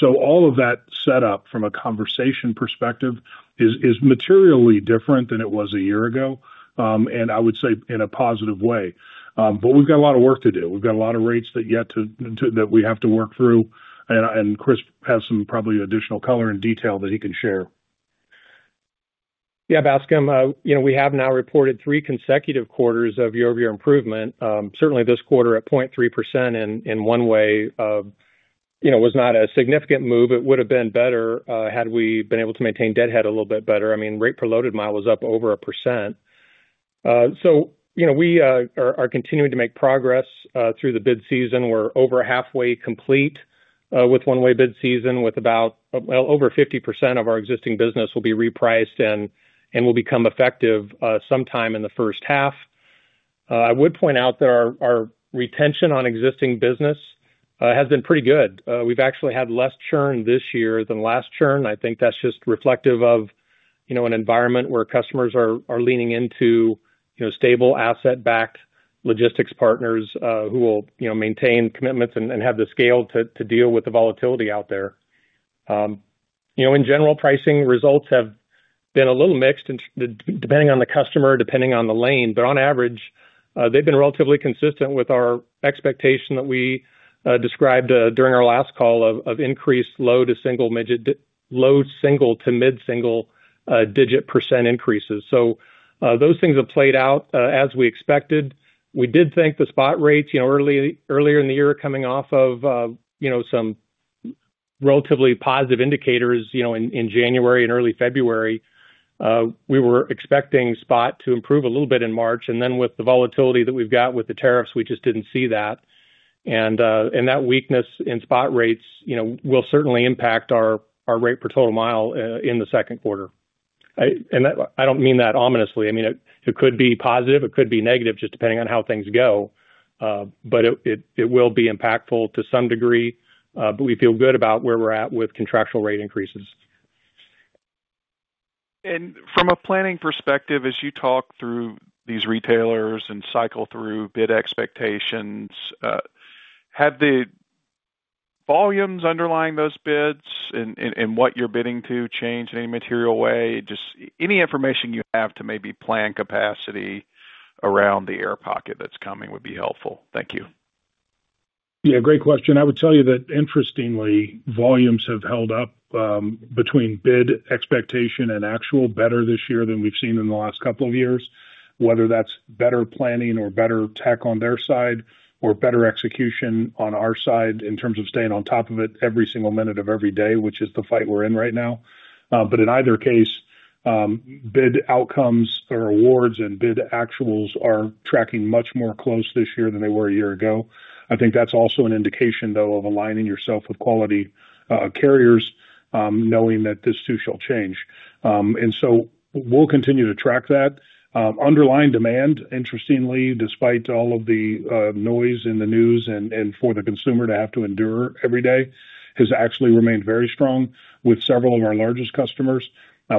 All of that setup from a conversation perspective is materially different than it was a year ago. I would say in a positive way. We have got a lot of work to do. We have got a lot of rates that we have to work through. Chris has some probably additional color and detail that he can share. Yeah, Bascome, we have now reported three consecutive quarters of year-over-year improvement. Certainly, this quarter at 0.3% in one way was not a significant move. It would have been better had we been able to maintain deadhead a little bit better. I mean, rate per loaded mile was up over 1%. We are continuing to make progress through the bid season. We're over halfway complete with one-way bid season, with about over 50% of our existing business will be repriced and will become effective sometime in the first half. I would point out that our retention on existing business has been pretty good. We've actually had less churn this year than last churn. I think that's just reflective of an environment where customers are leaning into stable asset-backed logistics partners who will maintain commitments and have the scale to deal with the volatility out there. In general, pricing results have been a little mixed, depending on the customer, depending on the lane. On average, they've been relatively consistent with our expectation that we described during our last call of increased low to mid-single digit % increases. Those things have played out as we expected. We did think the spot rates earlier in the year coming off of some relatively positive indicators in January and early February. We were expecting spot to improve a little bit in March. With the volatility that we've got with the tariffs, we just didn't see that. That weakness in spot rates will certainly impact our rate per total mile in the second quarter. I don't mean that ominously. I mean, it could be positive. It could be negative just depending on how things go. It will be impactful to some degree. We feel good about where we're at with contractual rate increases. From a planning perspective, as you talk through these retailers and cycle through bid expectations, have the volumes underlying those bids and what you're bidding to changed in any material way? Just any information you have to maybe plan capacity around the air pocket that's coming would be helpful. Thank you. Great question. I would tell you that interestingly, volumes have held up between bid expectation and actual better this year than we've seen in the last couple of years, whether that's better planning or better tech on their side or better execution on our side in terms of staying on top of it every single minute of every day, which is the fight we're in right now. In either case, bid outcomes or awards and bid actuals are tracking much more close this year than they were a year ago. I think that's also an indication, though, of aligning yourself with quality carriers knowing that this too shall change. We will continue to track that. Underlying demand, interestingly, despite all of the noise in the news and for the consumer to have to endure every day, has actually remained very strong with several of our largest customers.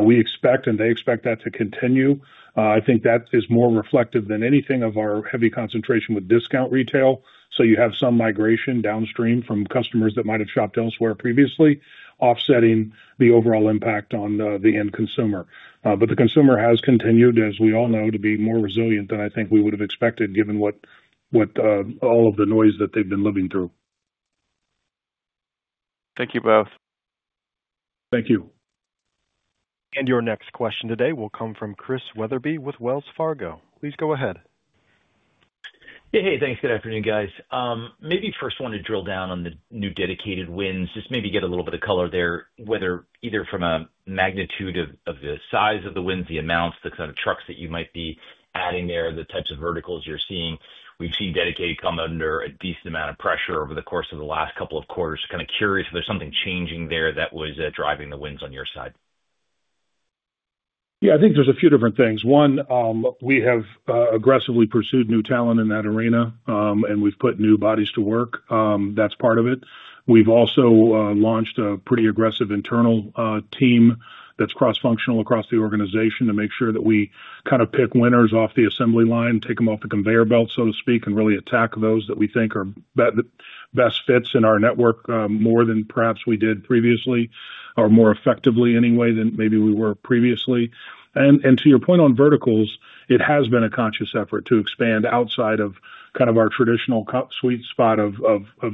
We expect, and they expect that to continue. I think that is more reflective than anything of our heavy concentration with discount retail. You have some migration downstream from customers that might have shopped elsewhere previously, offsetting the overall impact on the end consumer. The consumer has continued, as we all know, to be more resilient than I think we would have expected given all of the noise that they've been living through. Thank you both. Thank you. Your next question today will come from Chris Wetherbee with Wells Fargo. Please go ahead. Hey, hey. Thanks. Good afternoon, guys. Maybe first want to drill down on the new dedicated wins, just maybe get a little bit of color there, whether either from a magnitude of the size of the wins, the amounts, the kind of trucks that you might be adding there, the types of verticals you're seeing. We've seen dedicated come under a decent amount of pressure over the course of the last couple of quarters. Kind of curious if there's something changing there that was driving the wins on your side. Yeah, I think there's a few different things. One, we have aggressively pursued new talent in that arena, and we've put new bodies to work. That's part of it. We've also launched a pretty aggressive internal team that's cross-functional across the organization to make sure that we kind of pick winners off the assembly line, take them off the conveyor belt, so to speak, and really attack those that we think are best fits in our network more than perhaps we did previously, or more effectively anyway than maybe we were previously. To your point on verticals, it has been a conscious effort to expand outside of kind of our traditional sweet spot of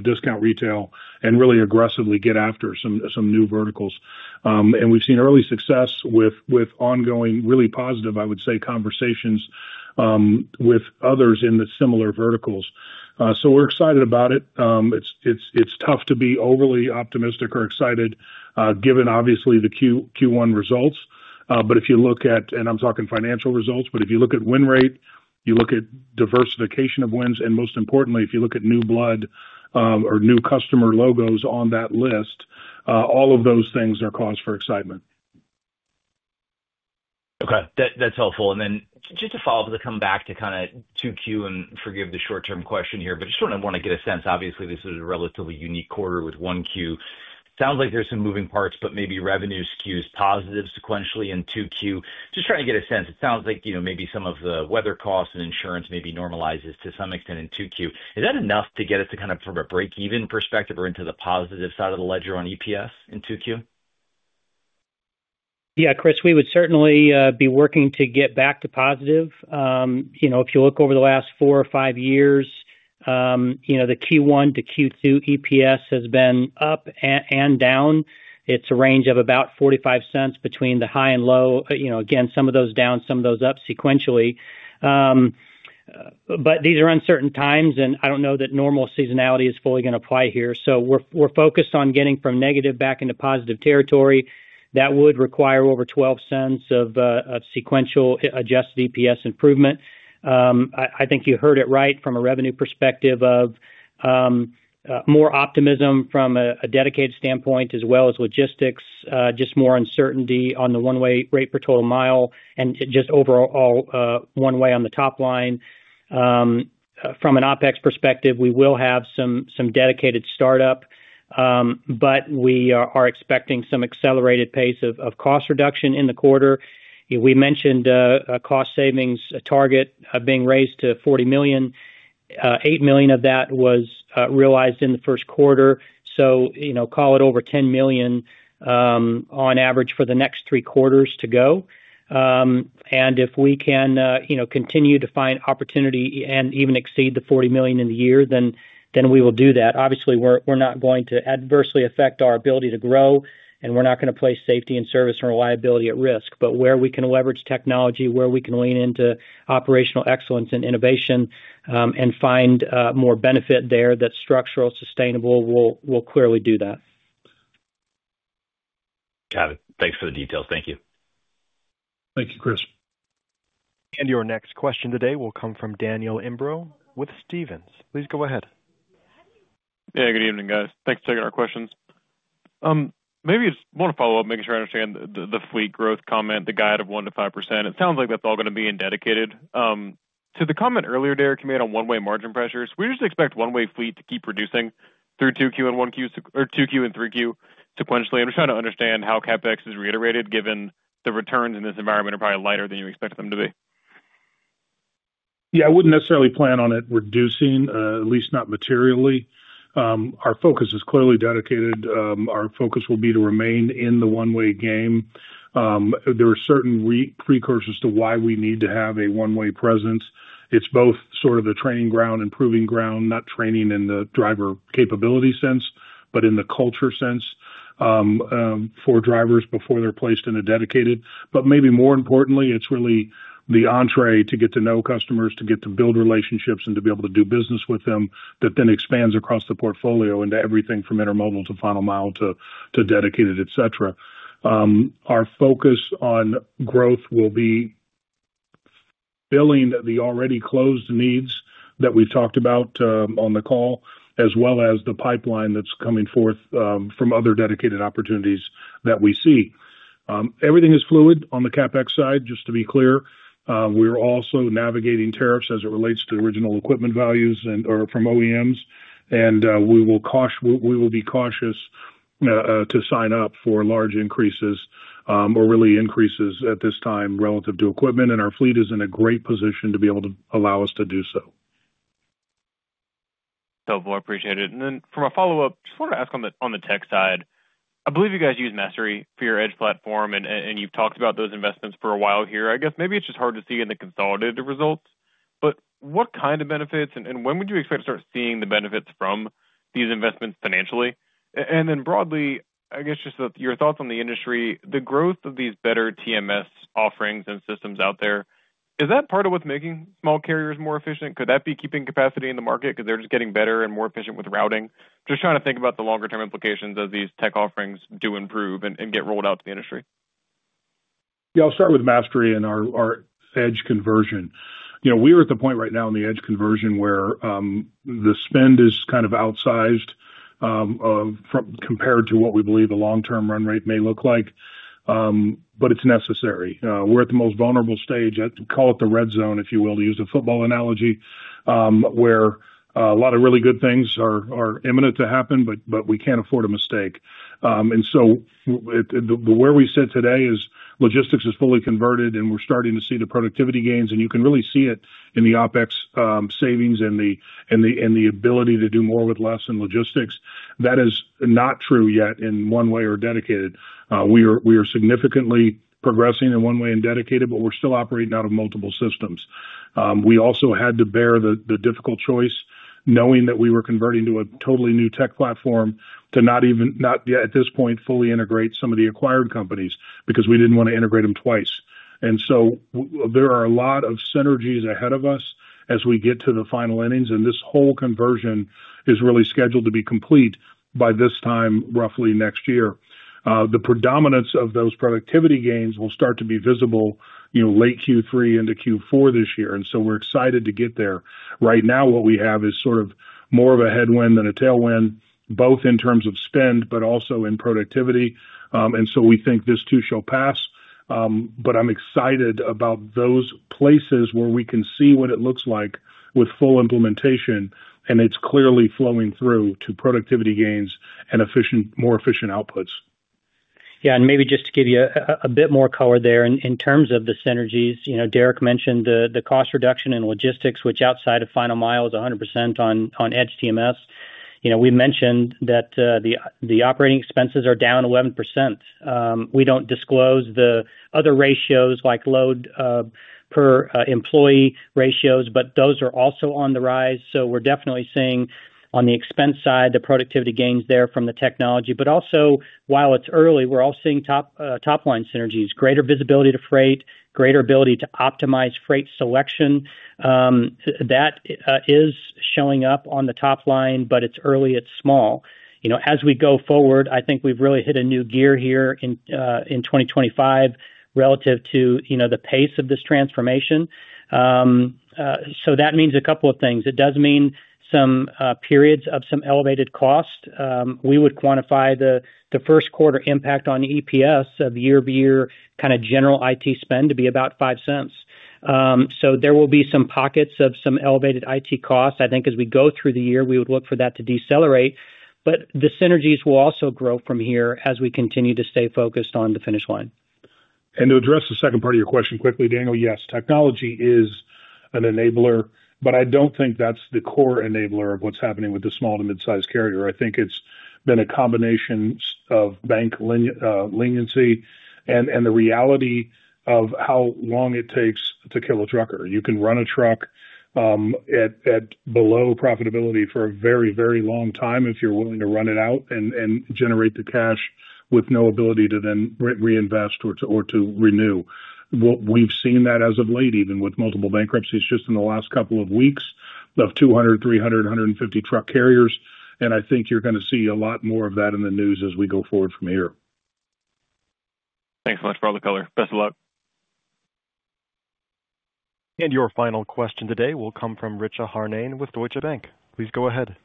discount retail and really aggressively get after some new verticals. We've seen early success with ongoing really positive, I would say, conversations with others in the similar verticals. We're excited about it. It's tough to be overly optimistic or excited given, obviously, the Q1 results. If you look at, and I'm talking financial results, if you look at win rate, you look at diversification of wins, and most importantly, if you look at new blood or new customer logos on that list, all of those things are cause for excitement. Okay. That's helpful. Then just to follow up to come back to kind of 2Q and forgive the short-term question here, just sort of want to get a sense. Obviously, this is a relatively unique quarter with 1Q. Sounds like there's some moving parts, but maybe revenue skews positive sequentially in 2Q. Just trying to get a sense. It sounds like maybe some of the weather costs and insurance maybe normalizes to some extent in 2Q. Is that enough to get us to kind of from a break-even perspective or into the positive side of the ledger on EPS in 2Q? Yeah, Chris, we would certainly be working to get back to positive. If you look over the last four or five years, the Q1 to Q2 EPS has been up and down. It's a range of about $0.45 between the high and low. Again, some of those down, some of those up sequentially. These are uncertain times, and I don't know that normal seasonality is fully going to apply here. We are focused on getting from negative back into positive territory. That would require over $0.12 of sequential adjusted EPS improvement. I think you heard it right from a revenue perspective of more optimism from a dedicated standpoint as well as logistics, just more uncertainty on the one-way rate per total mile and just overall one-way on the top line. From an OPEX perspective, we will have some dedicated startup, but we are expecting some accelerated pace of cost reduction in the quarter. We mentioned a cost savings target being raised to $40 million. $8 million of that was realized in the first quarter. Call it over $10 million on average for the next three quarters to go. If we can continue to find opportunity and even exceed the $40 million in the year, then we will do that. Obviously, we are not going to adversely affect our ability to grow, and we are not going to place safety and service and reliability at risk. Where we can leverage technology, where we can lean into operational excellence and innovation and find more benefit there, that is structural, sustainable, we will clearly do that. Got it. Thanks for the details. Thank you. Thank you, Chris. Your next question today will come from Daniel Imbro with Stephens. Please go ahead. Hey, good evening, guys. Thanks for taking our questions. Maybe I want to follow up, making sure I understand the fleet growth comment, the guide of 1-5%. It sounds like that's all going to be in dedicated. To the comment earlier there you made on one-way margin pressures, we just expect one-way fleet to keep reducing through 2Q and 1Q or 2Q and 3Q sequentially. I'm just trying to understand how CapEx is reiterated given the returns in this environment are probably lighter than you expect them to be. Yeah, I wouldn't necessarily plan on it reducing, at least not materially. Our focus is clearly dedicated. Our focus will be to remain in the one-way game. There are certain precursors to why we need to have a one-way presence. It's both sort of the training ground, proving ground, not training in the driver capability sense, but in the culture sense for drivers before they're placed in a dedicated. Maybe more importantly, it's really the entree to get to know customers, to get to build relationships, and to be able to do business with them that then expands across the portfolio into everything from intermodal to final mile to dedicated, etc. Our focus on growth will be filling the already closed needs that we've talked about on the call, as well as the pipeline that's coming forth from other dedicated opportunities that we see. Everything is fluid on the CapEx side, just to be clear. We're also navigating tariffs as it relates to original equipment values or from OEMs. We will be cautious to sign up for large increases or really increases at this time relative to equipment. Our fleet is in a great position to be able to allow us to do so. I appreciate it. From a follow-up, just wanted to ask on the tech side. I believe you guys use Mastery for your Edge platform, and you've talked about those investments for a while here. I guess maybe it's just hard to see in the consolidated results. What kind of benefits, and when would you expect to start seeing the benefits from these investments financially? Broadly, I guess just your thoughts on the industry, the growth of these better TMS offerings and systems out there, is that part of what's making small carriers more efficient? Could that be keeping capacity in the market because they're just getting better and more efficient with routing? Just trying to think about the longer-term implications as these tech offerings do improve and get rolled out to the industry. Yeah, I'll start with Mastery and our Edge conversion. We are at the point right now in the Edge conversion where the spend is kind of outsized compared to what we believe the long-term run rate may look like. It is necessary. We're at the most vulnerable stage, call it the red zone, if you will, to use a football analogy, where a lot of really good things are imminent to happen, but we can't afford a mistake. Where we sit today is logistics is fully converted, and we're starting to see the productivity gains. You can really see it in the OPEX savings and the ability to do more with less in logistics. That is not true yet in one-way or dedicated. We are significantly progressing in one-way and dedicated, but we're still operating out of multiple systems. We also had to bear the difficult choice, knowing that we were converting to a totally new tech platform to not even, not yet at this point, fully integrate some of the acquired companies because we didn't want to integrate them twice. There are a lot of synergies ahead of us as we get to the final innings. This whole conversion is really scheduled to be complete by this time, roughly next year. The predominance of those productivity gains will start to be visible late Q3 into Q4 this year. We are excited to get there. Right now, what we have is sort of more of a headwind than a tailwind, both in terms of spend, but also in productivity. We think this too shall pass. I'm excited about those places where we can see what it looks like with full implementation. It's clearly flowing through to productivity gains and more efficient outputs. Yeah. Maybe just to give you a bit more color there in terms of the synergies, Derek mentioned the cost reduction in logistics, which outside of Final Mile is 100% on Edge TMS. We mentioned that the operating expenses are down 11%. We don't disclose the other ratios like load per employee ratios, but those are also on the rise. We're definitely seeing on the expense side the productivity gains there from the technology. Also, while it's early, we're all seeing top-line synergies, greater visibility to freight, greater ability to optimize freight selection. That is showing up on the top line, but it's early, it's small. As we go forward, I think we've really hit a new gear here in 2025 relative to the pace of this transformation. That means a couple of things. It does mean some periods of some elevated cost. We would quantify the first quarter impact on EPS of year-to-year kind of general IT spend to be about $0.05. There will be some pockets of some elevated IT costs. I think as we go through the year, we would look for that to decelerate. The synergies will also grow from here as we continue to stay focused on the finish line. To address the second part of your question quickly, Daniel, yes, technology is an enabler, but I don't think that's the core enabler of what's happening with the small to mid-size carrier. I think it's been a combination of bank leniency and the reality of how long it takes to kill a trucker. You can run a truck at below profitability for a very, very long time if you're willing to run it out and generate the cash with no ability to then reinvest or to renew. We've seen that as of late, even with multiple bankruptcies just in the last couple of weeks of 200, 300, 150 truck carriers. I think you're going to see a lot more of that in the news as we go forward from here. Thanks so much for all the color. Best of luck. Your final question today will come from Richa Harnain with Deutsche Bank. Please go ahead.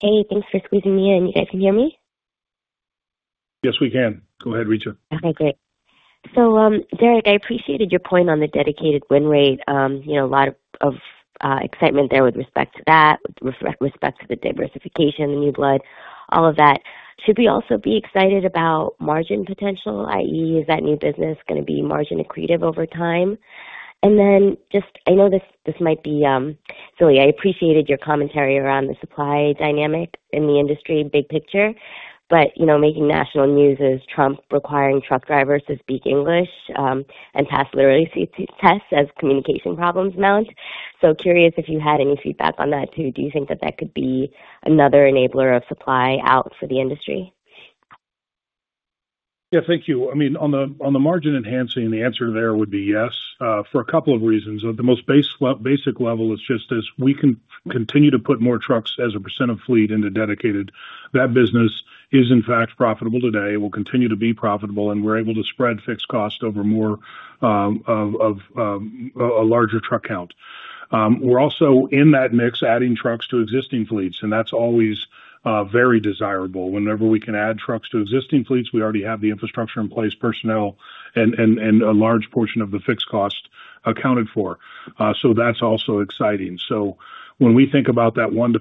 Hey, thanks for squeezing me in. You guys can hear me? Yes, we can. Go ahead, Richa. Okay, great. Derek, I appreciated your point on the dedicated win rate. A lot of excitement there with respect to that, with respect to the diversification, the new blood, all of that. Should we also be excited about margin potential, i.e., is that new business going to be margin accretive over time? I know this might be silly. I appreciated your commentary around the supply dynamic in the industry, big picture. Making national news is Trump requiring truck drivers to speak English and pass literacy tests as communication problems mount. Curious if you had any feedback on that too. Do you think that that could be another enabler of supply out for the industry? Yeah, thank you. I mean, on the margin enhancing, the answer to there would be yes for a couple of reasons. The most basic level is just as we can continue to put more trucks as a percent of fleet into dedicated, that business is, in fact, profitable today. It will continue to be profitable, and we're able to spread fixed cost over more of a larger truck count. We're also in that mix, adding trucks to existing fleets, and that's always very desirable. Whenever we can add trucks to existing fleets, we already have the infrastructure in place, personnel, and a large portion of the fixed cost accounted for. That is also exciting. When we think about that 1-5%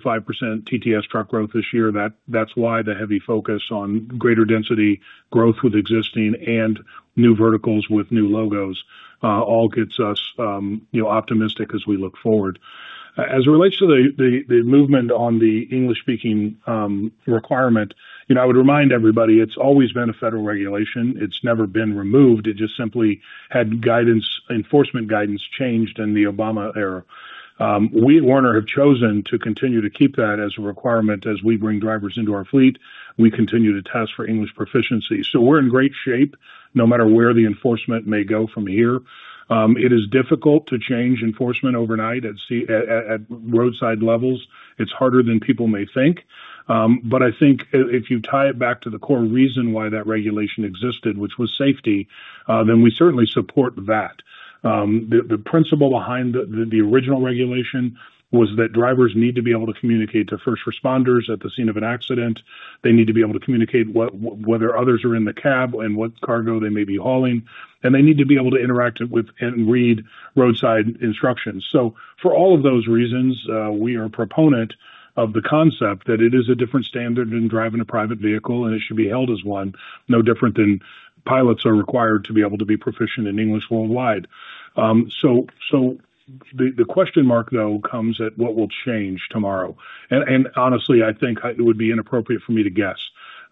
TTS truck growth this year, that is why the heavy focus on greater density growth with existing and new verticals with new logos all gets us optimistic as we look forward. As it relates to the movement on the English-speaking requirement, I would remind everybody it's always been a federal regulation. It's never been removed. It just simply had enforcement guidance changed in the Obama era. We at Werner have chosen to continue to keep that as a requirement as we bring drivers into our fleet. We continue to test for English proficiency. We are in great shape no matter where the enforcement may go from here. It is difficult to change enforcement overnight at roadside levels. It's harder than people may think. I think if you tie it back to the core reason why that regulation existed, which was safety, then we certainly support that. The principle behind the original regulation was that drivers need to be able to communicate to first responders at the scene of an accident. They need to be able to communicate whether others are in the cab and what cargo they may be hauling. They need to be able to interact with and read roadside instructions. For all of those reasons, we are a proponent of the concept that it is a different standard in driving a private vehicle, and it should be held as one, no different than pilots are required to be able to be proficient in English worldwide. The question mark, though, comes at what will change tomorrow. Honestly, I think it would be inappropriate for me to guess.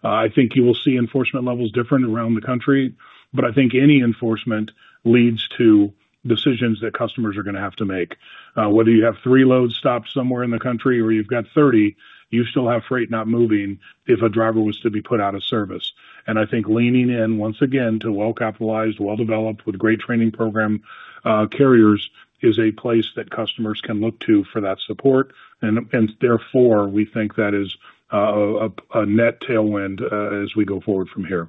I think you will see enforcement levels different around the country, but I think any enforcement leads to decisions that customers are going to have to make. Whether you have three loads stopped somewhere in the country or you've got 30, you still have freight not moving if a driver was to be put out of service. I think leaning in, once again, to well-capitalized, well-developed, with great training program carriers is a place that customers can look to for that support. Therefore, we think that is a net tailwind as we go forward from here.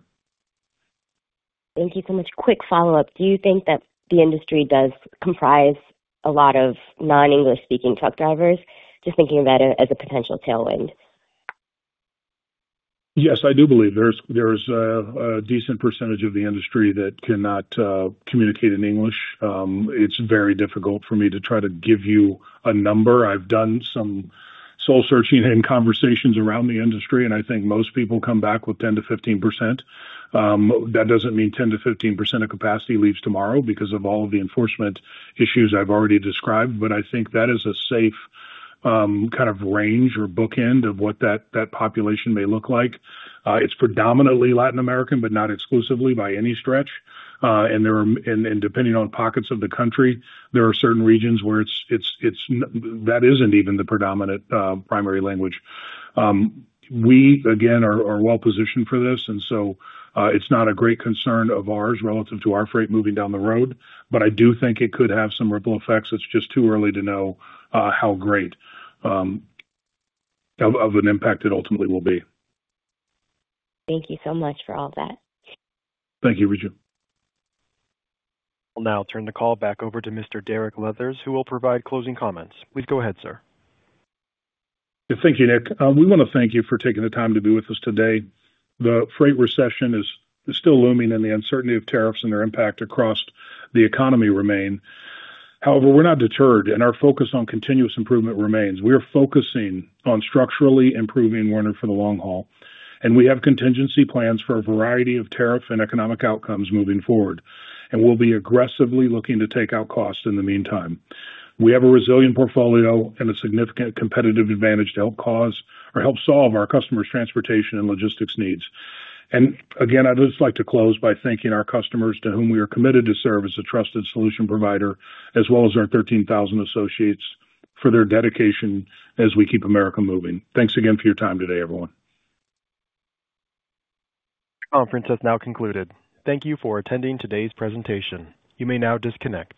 Thank you so much. Quick follow-up. Do you think that the industry does comprise a lot of non-English-speaking truck drivers? Just thinking about it as a potential tailwind. Yes, I do believe there's a decent percentage of the industry that cannot communicate in English. It's very difficult for me to try to give you a number. I've done some soul-searching and conversations around the industry, and I think most people come back with 10-15%. That does not mean 10-15% of capacity leaves tomorrow because of all of the enforcement issues I have already described. I think that is a safe kind of range or bookend of what that population may look like. It is predominantly Latin American, but not exclusively by any stretch. Depending on pockets of the country, there are certain regions where that is not even the predominant primary language. We, again, are well-positioned for this. It is not a great concern of ours relative to our freight moving down the road. I do think it could have some ripple effects. It is just too early to know how great of an impact it ultimately will be. Thank you so much for all that. Thank you, Richa. We will now turn the call back over to Mr. Derek Leathers, who will provide closing comments. Please go ahead, sir. Thank you, Nick. We want to thank you for taking the time to be with us today. The freight recession is still looming, and the uncertainty of tariffs and their impact across the economy remain. However, we're not deterred, and our focus on continuous improvement remains. We are focusing on structurally improving Werner for the long haul. We have contingency plans for a variety of tariff and economic outcomes moving forward. We'll be aggressively looking to take out costs in the meantime. We have a resilient portfolio and a significant competitive advantage to help solve our customers' transportation and logistics needs. Again, I'd just like to close by thanking our customers to whom we are committed to serve as a trusted solution provider, as well as our 13,000 associates for their dedication as we keep America moving. Thanks again for your time today, everyone. This conference has now concluded. Thank you for attending today's presentation. You may now disconnect.